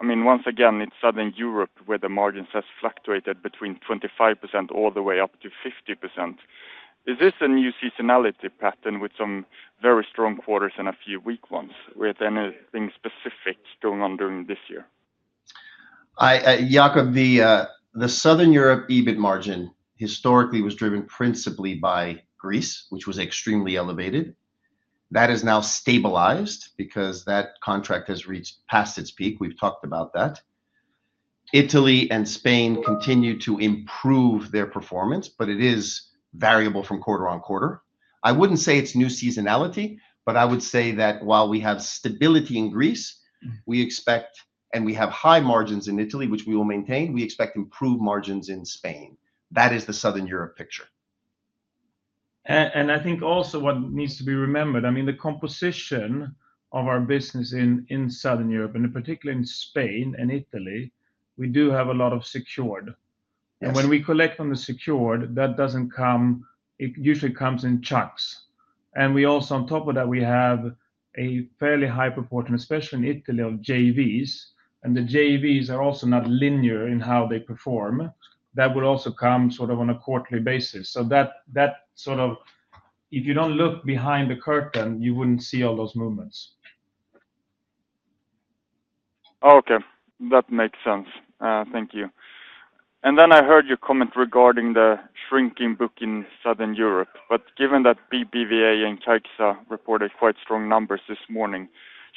Speaker 4: I mean once again it's Southern Europe where the margins has fluctuated between 25% all the way up to 50%. Is this a new seasonality pattern with some very strong quarters and a few weak ones with anything specific going on during this year?
Speaker 2: Jacob? The Southern Europe EBIT margin historically was driven principally by Greece which was extremely elevated. That is now stabilized because that contract has reached past its peak. We've talked about that. Italy and Spain continue to improve their performance, but it is variable from quarter on quarter. I wouldn't say it's new seasonality but I would say that while we have stability in Greece, we expect and we have high margins in Italy, which we will maintain, we expect improved margins in Spain. That is the Southern Europe picture.
Speaker 3: And I think, also, what needs to be remembered, I mean, the composition of our business in Southern Europe and, in particular, in Spain and Italy. We do have a lot of Secured. And when we collect on the Secured, that doesn't come. It usually comes in chunks. And we also, on top of that, we have a fairly high proportion, especially in Italy, of JVs. And the JVs are also not linear in how they perform. That will also come sort of on a quarterly basis. So that sort of, if you don't look behind the curtain, you wouldn't see all those movements.
Speaker 4: Okay, that makes sense. Thank you. And then I heard your comment regarding the shrinking book in Southern Europe. But given that BBVA and CaixaBank reported quite strong numbers this morning,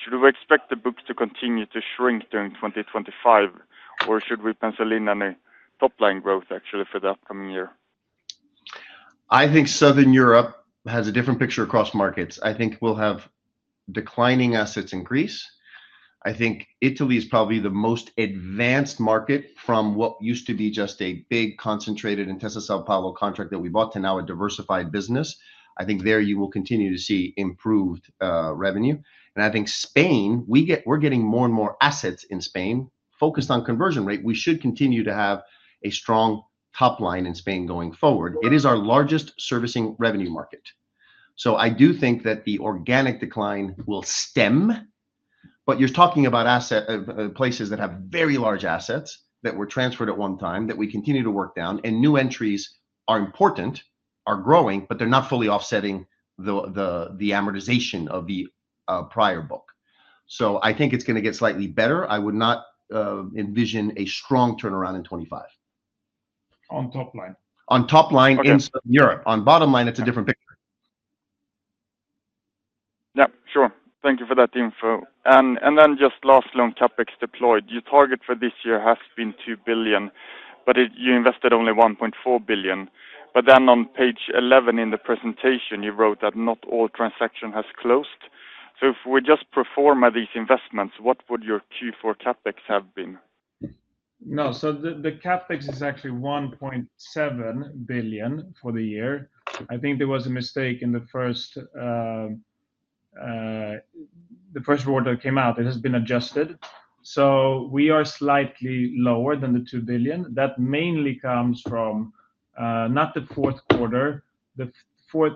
Speaker 4: should we expect the book to continue to shrink during 2025 or should we pencil in any top line growth actually for the upcoming year?
Speaker 2: I think Southern Europe has a different picture across markets. I think we'll have declining assets increase. I think Italy is probably the most advanced market from what used to be just a big concentrated Intesa Sanpaolo contract that we bought to now a diversified business. I think there you will continue to see improved revenue, and I think Spain we get, we're getting more and more assets in Spain focused on Conversion Rate. We should continue to have a strong top line in Spain going forward. It is our largest servicing revenue market, so I do think that the organic decline will stem, but you're talking about asset places that have very large assets that were transferred at one time that we continue to work down and new entries are important, are growing, but they're not fully offsetting the amortization of the prior book. So I think it's going to get slightly better. I would not envision a strong turnaround in 2025 on top line. On top line in Europe. On bottom line, it's a different picture.
Speaker 4: Yeah, sure. Thank you for that info. And. And then just last loan CapEx deployed, your target for this year has been 2 billion, but you invested only 1.4 billion. But then on page 11 in the presentation you wrote that not all transaction has closed. So if we just perform at these investments, what would your Q4 CapEx have been?
Speaker 3: No, so the CapEx is actually 1.7 billion for the year. I think there was a mistake in the first. The first order came out, it has been adjusted so we are slightly lower than the 2 billion that mainly comes from not the fourth quarter. The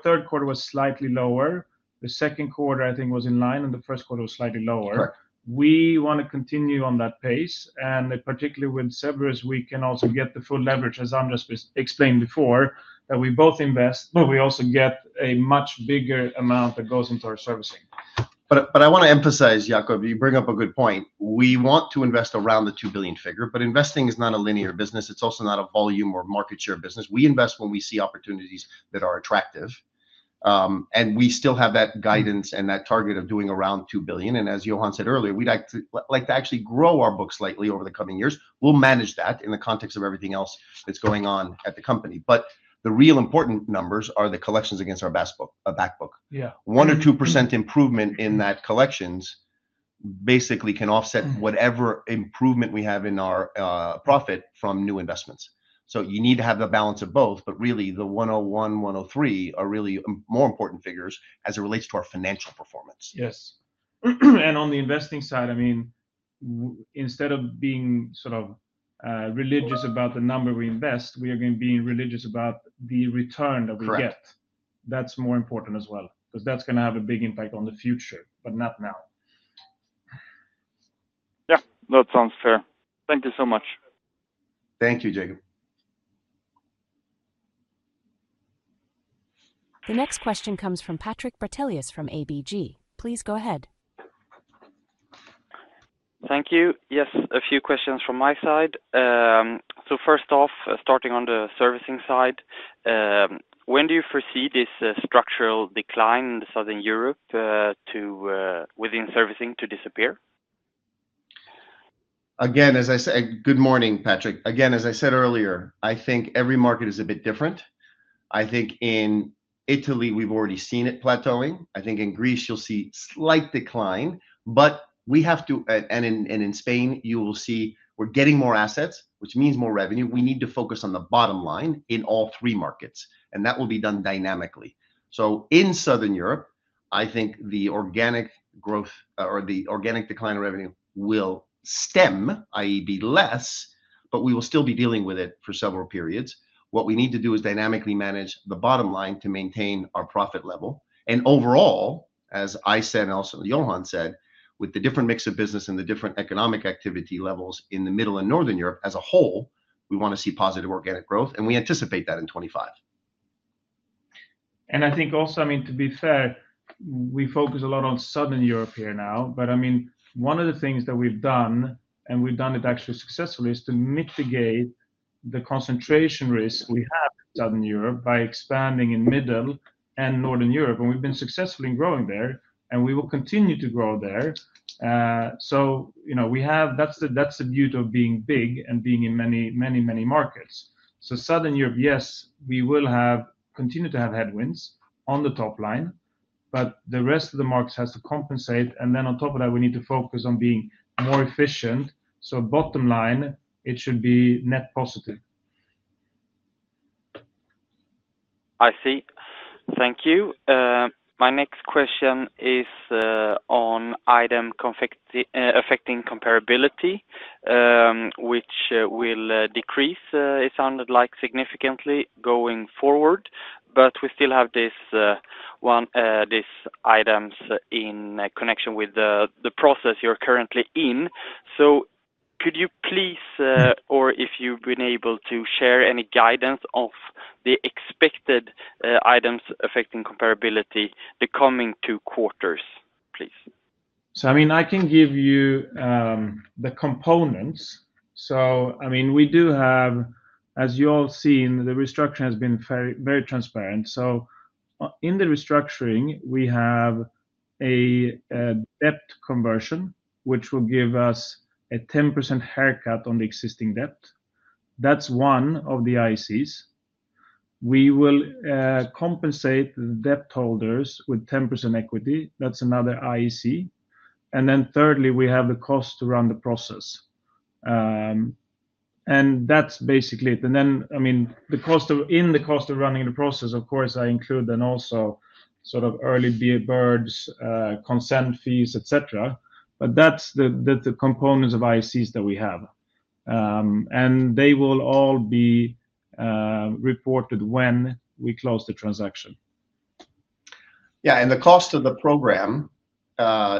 Speaker 3: third quarter was slightly lower. The second quarter I think was in line and the first quarter was slightly lower. We want to continue on that pace, and particularly with Vespa, we can also get the full leverage, as I just explained before, that we both invest, but we also get a much bigger amount that goes into our Servicing.
Speaker 2: But I want to emphasize. Jacob, you bring up a good point. We want to invest around the two billion figure, but Investing is not a linear business. It's also not a volume or market share business. We invest when we see opportunities that are attractive and we still have that guidance and that target of doing around two billion. And as Johan said earlier, we'd like to actually grow our books slightly over the coming years. We'll manage that in the context of everything else that's going on at the company. But the real important numbers are the collections against our Back Book.
Speaker 3: Yeah.
Speaker 2: One or 2% improvement in that collections basically can offset whatever improvement we have in our profit from new investments. So you need to have the balance of both. But really the 101, 103 are really more important figures as it relates to our financial performance.
Speaker 3: Yes, and on the Investing side, I mean, instead of being sort of religious about the number we invest, we are going to be religious about the return that we get. That's more important as well, because that's going to have a big impact on the future, but not now.
Speaker 4: Yeah, that sounds fair. Thank you so much.
Speaker 2: Thank you, Jacob.
Speaker 1: The next question comes from Patrik Brattelius from ABG. Please go ahead.
Speaker 5: Thank you. Yes, a few questions from my side. So first off, starting on the Servicing side, when do you foresee this structural decline in Southern Europe within Servicing to disappear?
Speaker 2: Again, as I said. Good morning, Patrik. Again, as I said earlier, I think every market is a bit different. I think in Italy we've already seen it plateauing. I think in Greece you'll see slight decline, but we have to, and in Spain you will see we're getting more assets, which means more revenue. We need to focus on the bottom line in all three markets and that will be done dynamically, so in Southern Europe, I think the organic growth or the organic decline in revenue will stem, that is, be less, but we will still be dealing with it for several periods. What we need to do is dynamically manage the bottom line to maintain our profit level. Overall, as I said, Johan said, with the different mix of business and the different economic activity levels in Middle Europe and Northern Europe as a whole, we want to see positive organic growth and we anticipate that in 2025.
Speaker 3: And I think also, I mean, to be fair, we focus a lot on Southern Europe here now. But I mean, one of the things that we've done and we've done it actually successfully is to mitigate the concentration risk we have in Southern Europe by expanding in Middle and Northern Europe. And we've been successful in growing there and we will continue to grow there. So you know, we have, that's the, that's the beauty of being big and being in many, many, many markets. So Southern Europe, yes, we will have, continue to have headwinds on the top line, but the rest of the markets has to compensate. And then on top of that we need to focus on being more efficient. So bottom line, it should be net positive.
Speaker 5: I see. Thank you. My next question is on items Affecting Comparability, which will decrease, it sounded like significantly going forward, but we still have these items in connection with the process you're currently in. So could you please, or if you've been able to share any guidance on the expected items Affecting Comparability for the coming two quarters, please?
Speaker 3: I mean I can give you the components. I mean we do have, as you all seen, the restructuring has been very, very transparent. In the restructuring we have a Debt Conversion which will give us a 10% haircut on the existing debt. That's one of the IACs. We will compensate debt holders with 10% equity. That's another IAC. Then thirdly, we have the cost to run the process and that's basically it. Then I mean the cost of, in the cost of running the process, of course I include then also sort of Early Bird Consent Fees, etc. But that's the components of IACs that we have and they will all be reported when we close the transaction.
Speaker 2: Yeah. And the cost of the program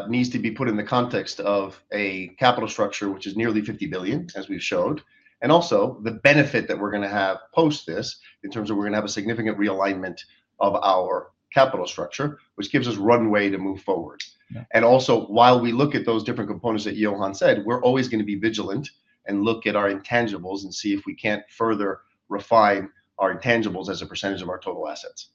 Speaker 2: needs to be put in the context of a capital structure which is nearly 50 billion, as we've showed. And also the benefit that we're going to have post this in terms of we're going to have a significant realignment of our capital structure which gives us runway to move forward. And also while we look at those different components that Johan said, we're always going to be vigilant, look at our Intangibles and see if we can't further refine our Intangibles as a percentage of our total assets.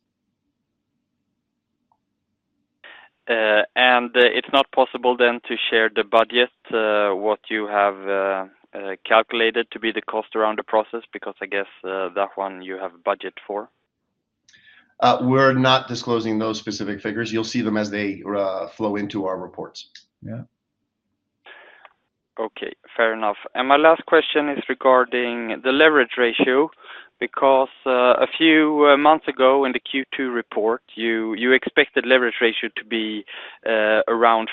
Speaker 5: And it's not possible then to share the budget, what you have calculated to. Bear the cost around the process, because. I guess that one you have budget for.
Speaker 2: We're not disclosing those specific figures. You'll see them as they flow into our reports.
Speaker 5: Yeah, okay, fair enough. And my last question is regarding the Leverage Ratio because a few months ago in the Q2 report you expected Leverage Ratio to be around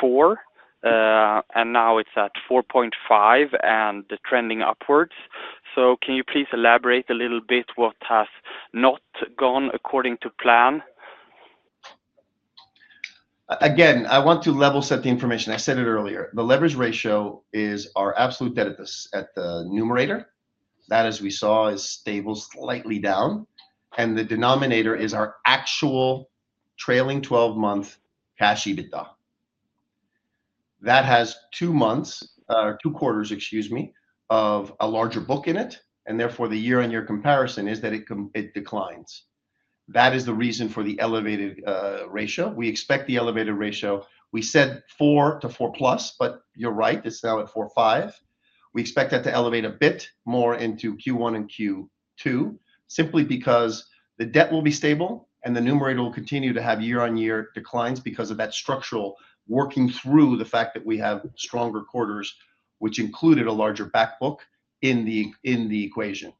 Speaker 5: four and now it's at 4.5 and trending upwards. So can you please elaborate a little bit what has not gone according to plan?
Speaker 2: Again, I want to level set the information. I said it earlier. The Leverage Ratio is our absolute debt at this, at the numerator, that as we saw is stable, slightly down, and the denominator is our actual Trailing Twelve-Month Cash EBITDA that has two months, two quarters, excuse me, of a larger book in it. And therefore the Year-on-Year comparison is that it declines. That is the reason for the elevated ratio. We expect the elevated ratio; we said four to four plus, but you're right, it's now at four five. We expect that to elevate a bit more into Q1 and Q2 simply because the debt will be stable and the numerator will continue to have Year-on-Year declines because of that structural working through the fact that we have stronger quarters which included a larger back book in the equation,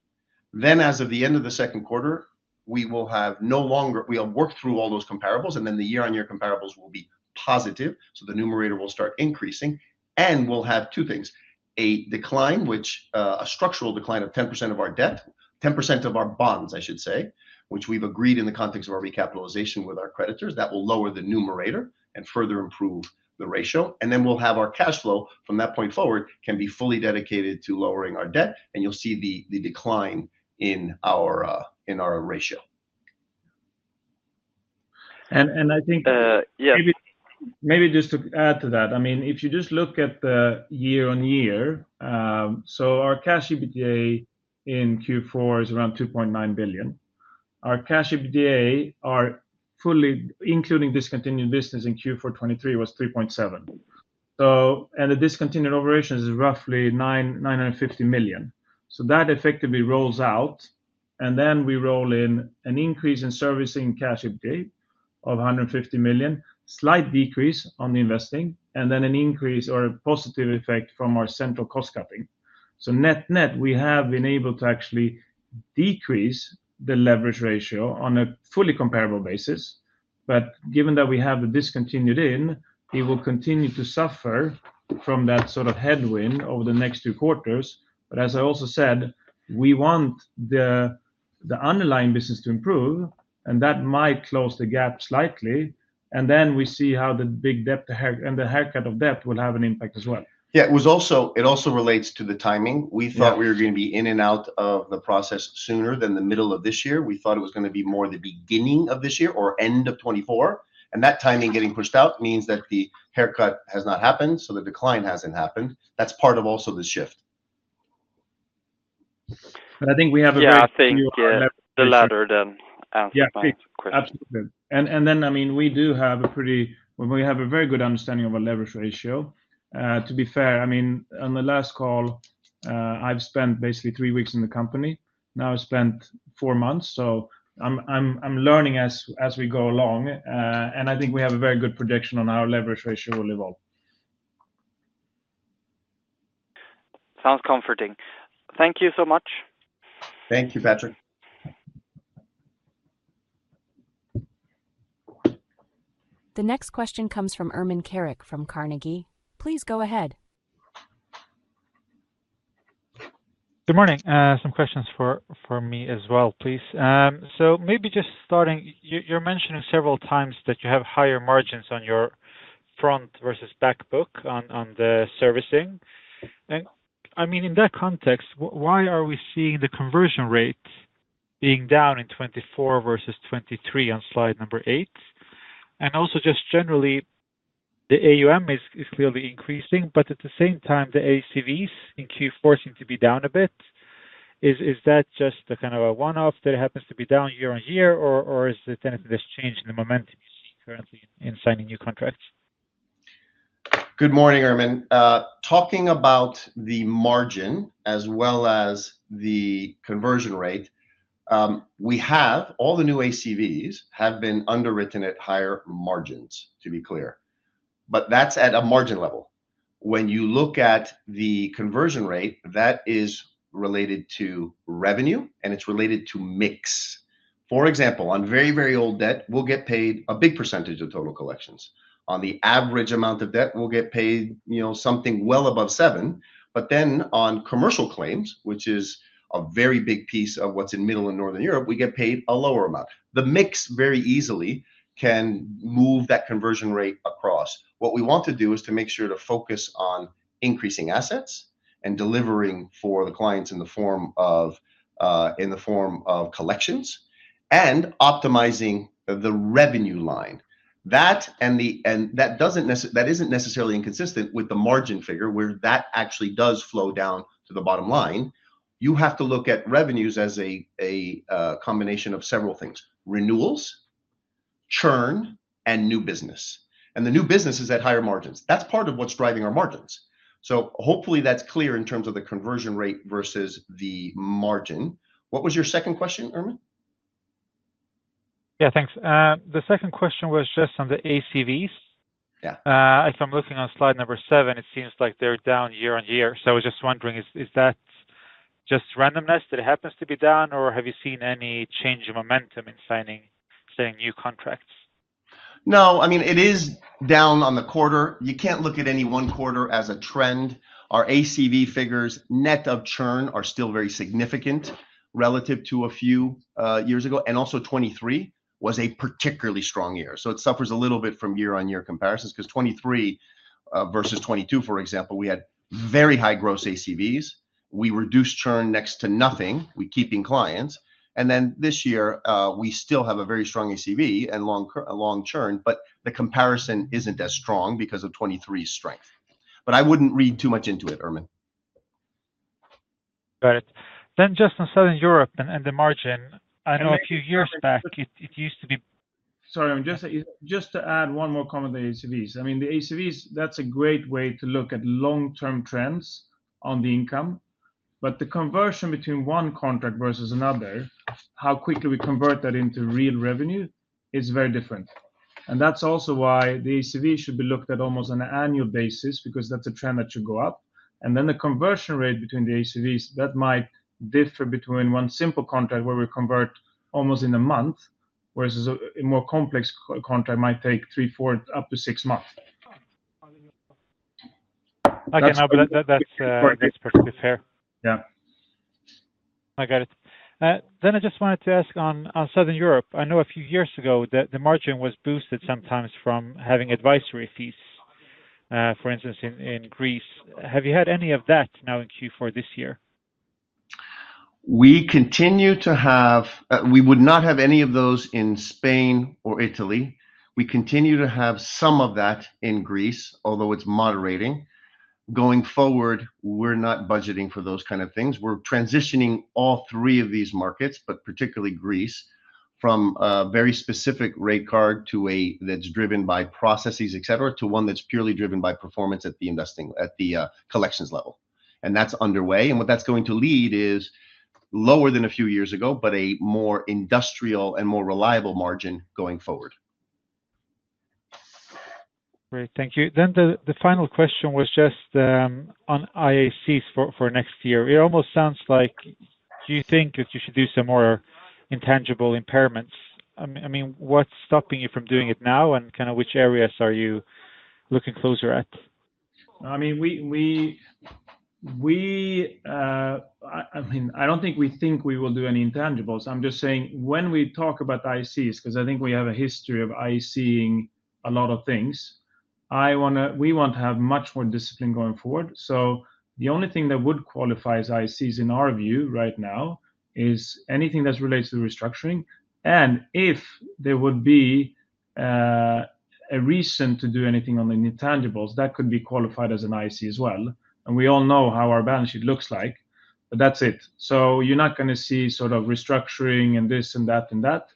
Speaker 2: then as of the end of the second quarter we will have no longer, we have worked through all those comparables and then the Year-on-Year comparables will be positive. So the numerator will start increasing and we'll have two things. A decline, which is a structural decline of 10% of our debt, 10% of our bonds I should say, which we've agreed in the context of our Recapitalization with our creditors that will lower the numerator and further improve the ratio, and then we'll have our cash flow from that point forward can be fully dedicated to lowering our debt, and, and you'll see the decline in our ratio.
Speaker 3: I think maybe just to add to that. I mean, if you just look at the Year-on-Year, so our Cash EBITDA in Q4 is around 2.9 billion SEK. Our Cash EBITDA, fully including Discontinued Business in Q4 2023, was 3.7 billion SEK, so, and the Discontinued Operations is roughly 950 million SEK. So that effectively rolls out and then we roll in an increase in Servicing Cash EBITDA of 150 million SEK, slight decrease on the Investing and then an increase or a positive effect from our Central Cost Cutting. So net net we have been able to actually decrease the Leverage Ratio on a fully comparable basis. But given that we have the Discontinued in it, it will continue to suffer from that sort of headwind over the next two quarters. But as I also said, we want the underlying business to improve and that might close the gap slightly, and then we see how the big debt and the haircut of debt will have an impact as well.
Speaker 2: Yeah, it also relates to the timing. We thought we were going to be in and out of the process sooner than the middle of this year. We thought it was going to be more the beginning of this year or end of 2024. And that timing getting pushed out means that the haircut has not happened. So the decline hasn't happened. That's part of also the shift.
Speaker 3: I think we have.
Speaker 5: Yeah, I think the latter then answered my question.
Speaker 3: I mean, we do have a very good understanding of a Leverage Ratio, to be fair. I mean, on the last call, I've spent basically three weeks in the company. Now I spent four months, so I'm learning as we go along, and I think we have a very good prediction on our Leverage Ratio will evolve.
Speaker 5: Sounds comforting. Thank you so much.
Speaker 2: Thank you, Patrik.
Speaker 1: The next question comes from Ermin Keric from Carnegie. Please go ahead.
Speaker 6: Good morning. Some questions for me as well, please. So maybe just starting, you're mentioning several times that you have higher margins on your front versus back book on the servicing. And I mean in that context, why are we seeing the Conversion Rate being down in 2024 versus 2023 on slide number 8? And also just generally the AUM is clearly increasing, but at the same time the ACVs in Q4 seem to be down a bit. Is that just kind of a one-off that happens to be down Year-on-Year or is it anything that's changed in the momentum you see currently in signing new contracts?
Speaker 2: Good morning, Ermin. Talking about the margin as well as the Conversion Rate we have. All the new ACVs have been underwritten at higher margins, to be clear, but that's at a margin level. When you look at the Conversion Rate, that is related to revenue, and it's related to mix. For example, on very, very old debt, we'll get paid a big percentage of total collections. On the average amount of debt, we'll get paid, you know, something well above 7%. But then on Commercial Claims, which is a very big piece of what's in middle and Northern Europe, we get paid a lower amount. The mix very easily can move that Conversion Rate across. What we want to do is to make sure to focus on increasing assets and delivering for the clients in the form of Collections and optimizing the revenue line. And that isn't necessarily inconsistent with the margin figure where that actually does flow down to the bottom line. You have to look at revenues as a combination of several things, renewals, churn and new business. And the new business is at higher margins. That's part of what's driving our margins. So hopefully that's clear in terms of the Conversion Rate versus the margin. What was your second question, Ermin?
Speaker 6: Yeah, thanks. The second question was just on the ACVs. If I'm looking on slide number seven, it seems like they're down Year-on-Year. So I was just wondering, is that just randomness that happens to be down or have you seen any change of momentum in signing, saying new contracts?
Speaker 2: No, I mean, it is down on the quarter. You can't look at any one quarter as a trend. Our ACV figures net of churn are still very significant relative to a few years ago. And also 2023 was a particularly strong year. So it suffers a little bit from Year-on-Year comparisons. Because 2023 versus 2022, for example, we had very high gross ACVs, we reduced churn next to nothing, we keeping clients. And then this year we still have a very strong ACV and low, low churn. But the comparison isn't as strong because of 2023 strength. But I wouldn't read too much into it, Ermin.
Speaker 6: Just on Southern Europe and the margin, I know a few years back it used to be.
Speaker 3: Sorry, just to add one more comment. The ACVs, I mean the ACVs, that's a great way to look at long-term trends on the income. But the conversion between one contract versus another, how quickly we convert that into real revenue is very different. And that's also why the ACV should be looked at almost on an Annual Basis, because that's a trend that should go up. And then the Conversion Rate between the ACVs, that might differ between one simple contract where we convert almost in a month, whereas a more complex contract might take three, four, up to six months. Okay.
Speaker 6: No, but that's perfectly fair. Yeah, I got it. Then I just wanted to ask, on Southern Europe, I know a few years ago that the margin was boosted sometimes from having Advisory Fees. For instance in Greece, have you had any of that now in Q4 this year?
Speaker 2: We continue to have. We would not have any of those in Spain or Italy. We continue to have some of that in Greece, although it's moderating going forward. We're not budgeting for those kind of things. We're transitioning all three of these markets, but particularly Greece, from a very specific rate card to one that's driven by processes etc. to one that's purely driven by performance. Performance at the investing, at the collections level, and that's underway, and what that's going to lead is lower than a few years ago, but a more industrial and more reliable margin going forward.
Speaker 6: Great, thank you. Then the final question was just on IACs for next year. It almost sounds like you think that you should do some more Intangible Impairments. I mean, what's stopping you from doing it now? And kind of which areas are you looking closer at?
Speaker 3: I mean, we. I don't think we will do any intangibles. I'm just saying when we talk about IACs, because I think we have a history of eyeing a lot of things, we want to have much more discipline going forward. The only thing that would qualify as IACs in our view right now is anything that's related to Restructuring and if there would be a reason to do anything on the new Intangibles that could be qualified as an IC as well. We all know how our balance sheet looks like, but that's it. You're not going to see sort of restructuring and this and that.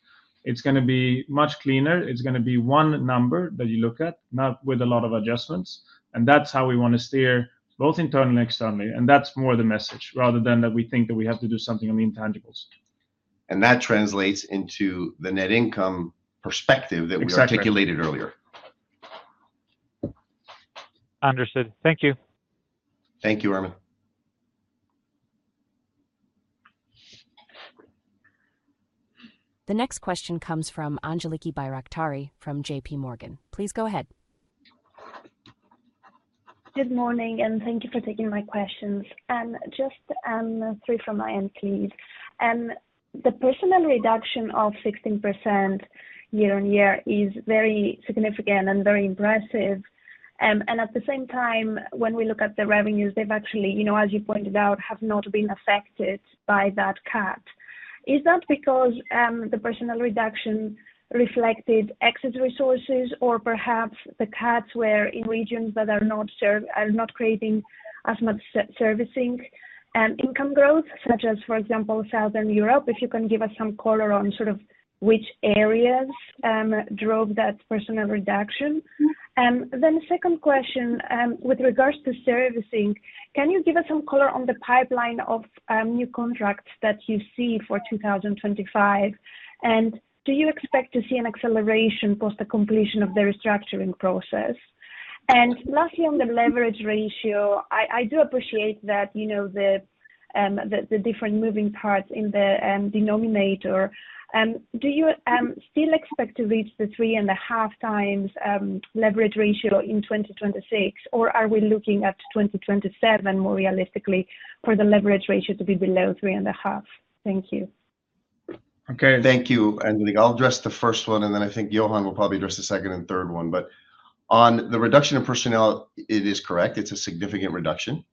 Speaker 3: It's going to be much cleaner. It's going to be one number that you look at, not with a lot of adjustments. That's how we want to steer both internally, externally, and that's more the message rather than that we think that we have to do something on the intangible.
Speaker 2: And that translates into the net income perspective that we articulated earlier.
Speaker 6: Understood, thank you.
Speaker 2: Thank you, Ermin.
Speaker 1: The next question comes from Angeliki Bairaktari from J.P. Morgan. Please go ahead.
Speaker 7: Good morning and thank you for taking my questions. Just three from my end, please. The personnel reduction of 16% Year-on-Year is very significant and very impressive. At the same time, when we look at the revenues, they've actually, you know, as you pointed out, have not been affected by that cut. Is that because the personnel reduction reflected excess resources? Or perhaps the cuts were in regions that are not served, are not creating asset servicing and income growth, such as, for example, Southern Europe? If you can give us some color on sort of which areas drove that personnel reduction, then the second question with regards to Servicing, can you give us some color on the pipeline of new contracts that you see for 2025 and do you expect to see an acceleration post the completion of the restructuring process? And lastly on the Leverage Ratio, I do appreciate that, you know, the different moving parts in the denominator. Do you still expect to reach the three and a half times Leverage Ratio in 2026 or are we looking at 2027 more realistically for the Leverage Ratio to be below three and a half? Thank you.
Speaker 2: Okay, thank you, Angeliki. I'll address the first one and then I think Johan will probably address the second and third one. But on the reduction of personnel it is correct. It's a significant reduction.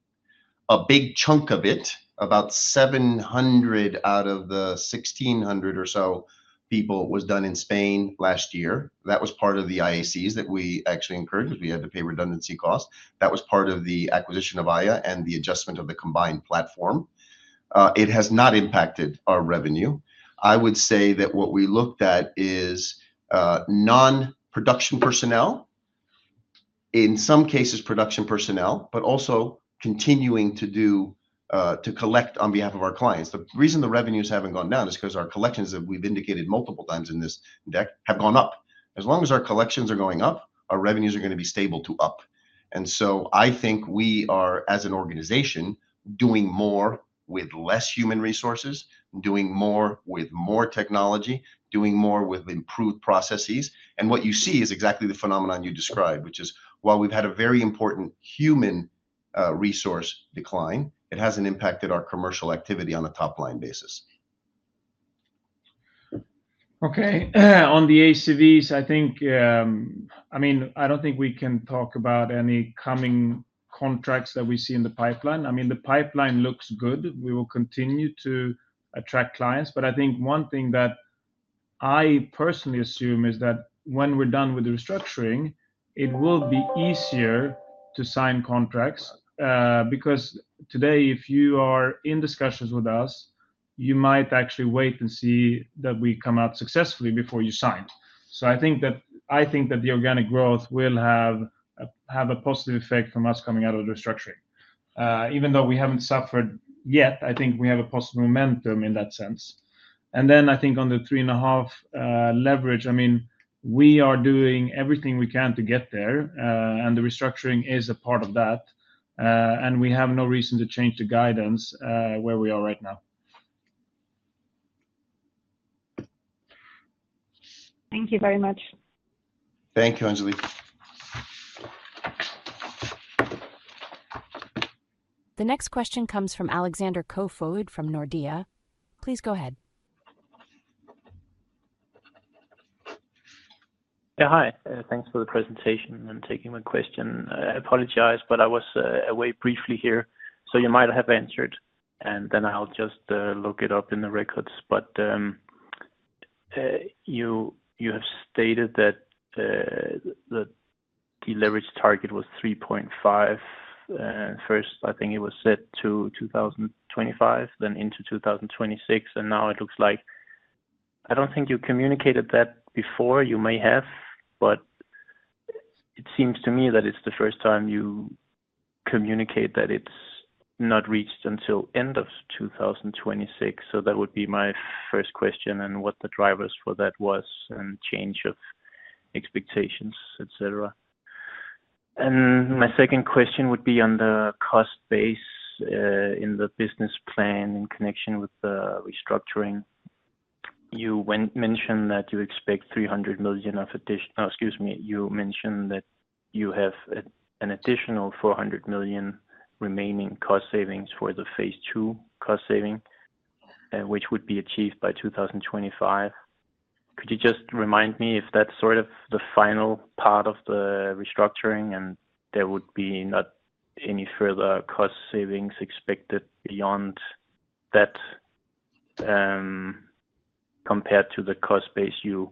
Speaker 2: A big chunk of it, about 700 out of the 1600 or so people was done in Spain last year. That was part of the IACs that we actually incurred because we had to pay redundancy costs. That was part of the acquisition of Haya and the adjustment of the combined platform. It has not impacted our revenue. I would say that what we looked at is non-production personnel, in some cases production personnel, but also continuing to do, to collect on behalf of our clients. The reason the revenues haven't gone down is because our collections that we've indicated multiple times in this deck have gone up. As long as our collections are going up, our revenues are going to be stable to up. And so I think we are as an organization doing more with less human resources, doing more with more technology, doing more with improved processes. And what you see is exactly the phenomenon you described, which is while we've had a very important human resource decline, it hasn't impacted our commercial activity on a top line basis.
Speaker 3: Okay. On the ACVs, I think, I mean, I don't think we can talk about any coming contracts that we see in the pipeline. I mean the pipeline looks good, we will continue to attract clients. But I think one thing that I personally assume is that when we're done with the restructuring, it will be easier to sign contracts. Because today if you are in discussions with us, you might actually wait and see that we come out successfully before you sign. So I think that the Organic Growth will have a positive effect from us coming out of the Restructuring, even though we haven't suffered yet. I think we have a possible momentum in that sense and then I think on the three and a half Leverage, I mean we are doing everything we can to get there and the Restructuring is a part of that. We have no reason to change the guidance where we are right now.
Speaker 7: Thank you very much.
Speaker 2: Thank you, Angeliki.
Speaker 1: The next question comes from Alexander Koefoed from Nordea. Please go ahead.
Speaker 8: Yeah, hi. Thanks for the presentation and taking my question. I apologize, but I was away briefly here so you might have answered and then I'll just look it up in the records. But you, you have stated that the Deleverage Target was 3.5 first. I think it was set to 2025 then into 2026 and now it looks like. I don't think you communicated that before. You may have, but it seems to me that it's the first time you communicate that it's not reached until end of 2026. So that would be my first question and what the drivers for that was and change of expectations, etc. And my second question would be on the Cost Base in the Business Plan in connection with the Restructuring. You mentioned that you expect 300 million of additional. Excuse me, you mentioned that you have an additional 400 million remaining cost savings for the Phase II cost saving which would be achieved by 2025. Could you just remind me if that's sort of the final part of the Restructuring? And there would be not any further cost savings expected beyond that compared to the Cost Base you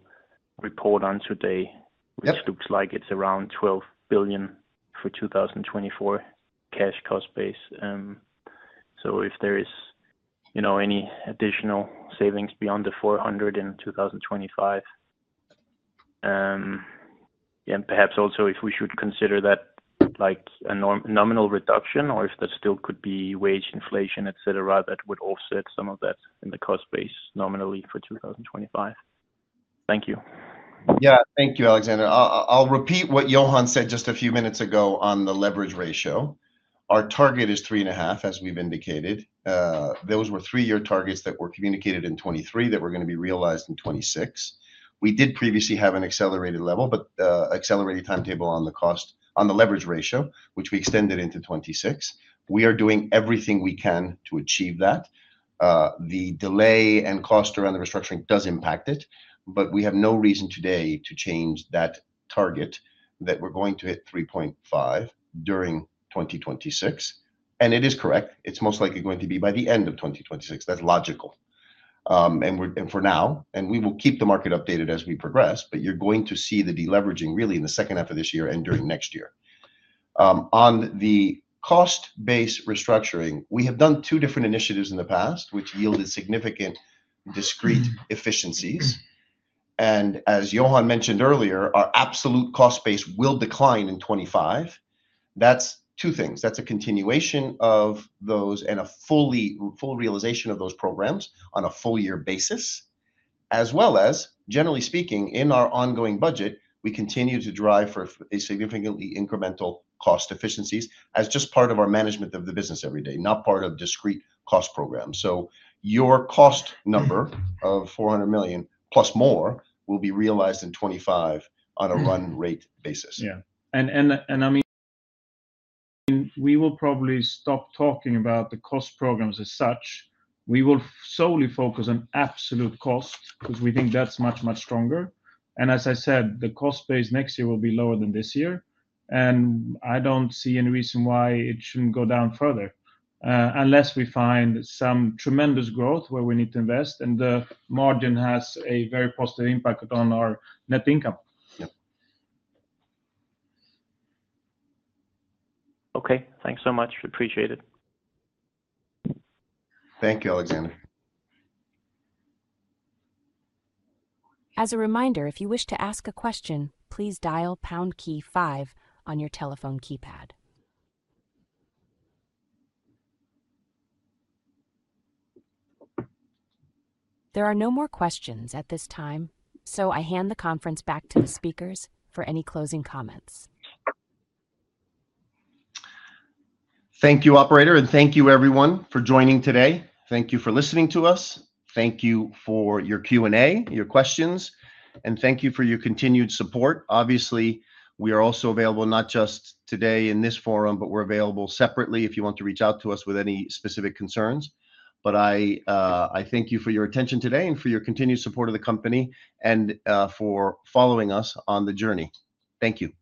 Speaker 8: report on today, which looks like it's around 12 billion for 2024 cash Cost Base. So if there is, you know, any additional savings beyond the 400 in 2025 and perhaps also if we should consider that like a nominal reduction or if there still could be wage inflation, etc. That would offset some of that in the Cost Base nominally for 2025. Thank you.
Speaker 2: Yeah, thank you, Alexander. I'll repeat what Johan said just a few minutes ago. On the Leverage Ratio, our target is three and a half as we've indicated. Those were three year targets that were communicated in 2023 that were going to be realized in 2026. We did previously have an accelerated level but accelerated timetable. On the cost on the Leverage Ratio which we extended into 2026. We are doing everything we can to achieve that. The delay and cost around the Restructuring does impact it, but we have no reason today to change that target. That we're going to hit 3.5 during 2026 and it is correct, it's most likely going to be by the end of 2026. That's logical and we're for now and we will keep the market updated as we progress. But you're going to see the deleveraging really in the second half of this year and during next year on the Cost Base Restructuring. We have done two different initiatives in the past which yielded significant discrete efficiencies. And as Johan mentioned earlier, our absolute Cost Base will decline in 2025. That's two things. That's a continuation of those and a full realization of those programs on a Full-Year basis as well as generally speaking in our ongoing budget. We continue to drive for a significantly incremental cost efficiencies as just part of our management of the business every day not part of discrete cost programs. So your cost number of 400 million plus more will be realized in 2025 on a Run-Rate basis.
Speaker 3: Yeah, and I mean, we will probably stop talking about the cost programs as such. We will solely focus on Absolute Cost because we think that's much, much stronger. And as I said, the Cost Base next year will be lower than this year and I don't see any reason why it shouldn't go down further unless we find some tremendous growth where we need to invest. And the margin has a very positive impact on our Net Income.
Speaker 8: Okay, thanks so much. Appreciate it.
Speaker 2: Thank you, Alexander.
Speaker 1: As a reminder, if you wish to ask a question, please dial pound key five on your telephone keypad. There are no more questions at this time, so I hand the conference back to the speakers for any closing comments.
Speaker 2: Thank you operator and thank you everyone for joining today. Thank you for listening to us. Thank you for your Q and A, your questions, and thank you for your continued support. Obviously, we are also available not just today in this forum, but we're available separately if you want to reach out to us with any specific concerns. But I thank you for your attention today and for your continued support of the company and for following us on the journey. Thank you.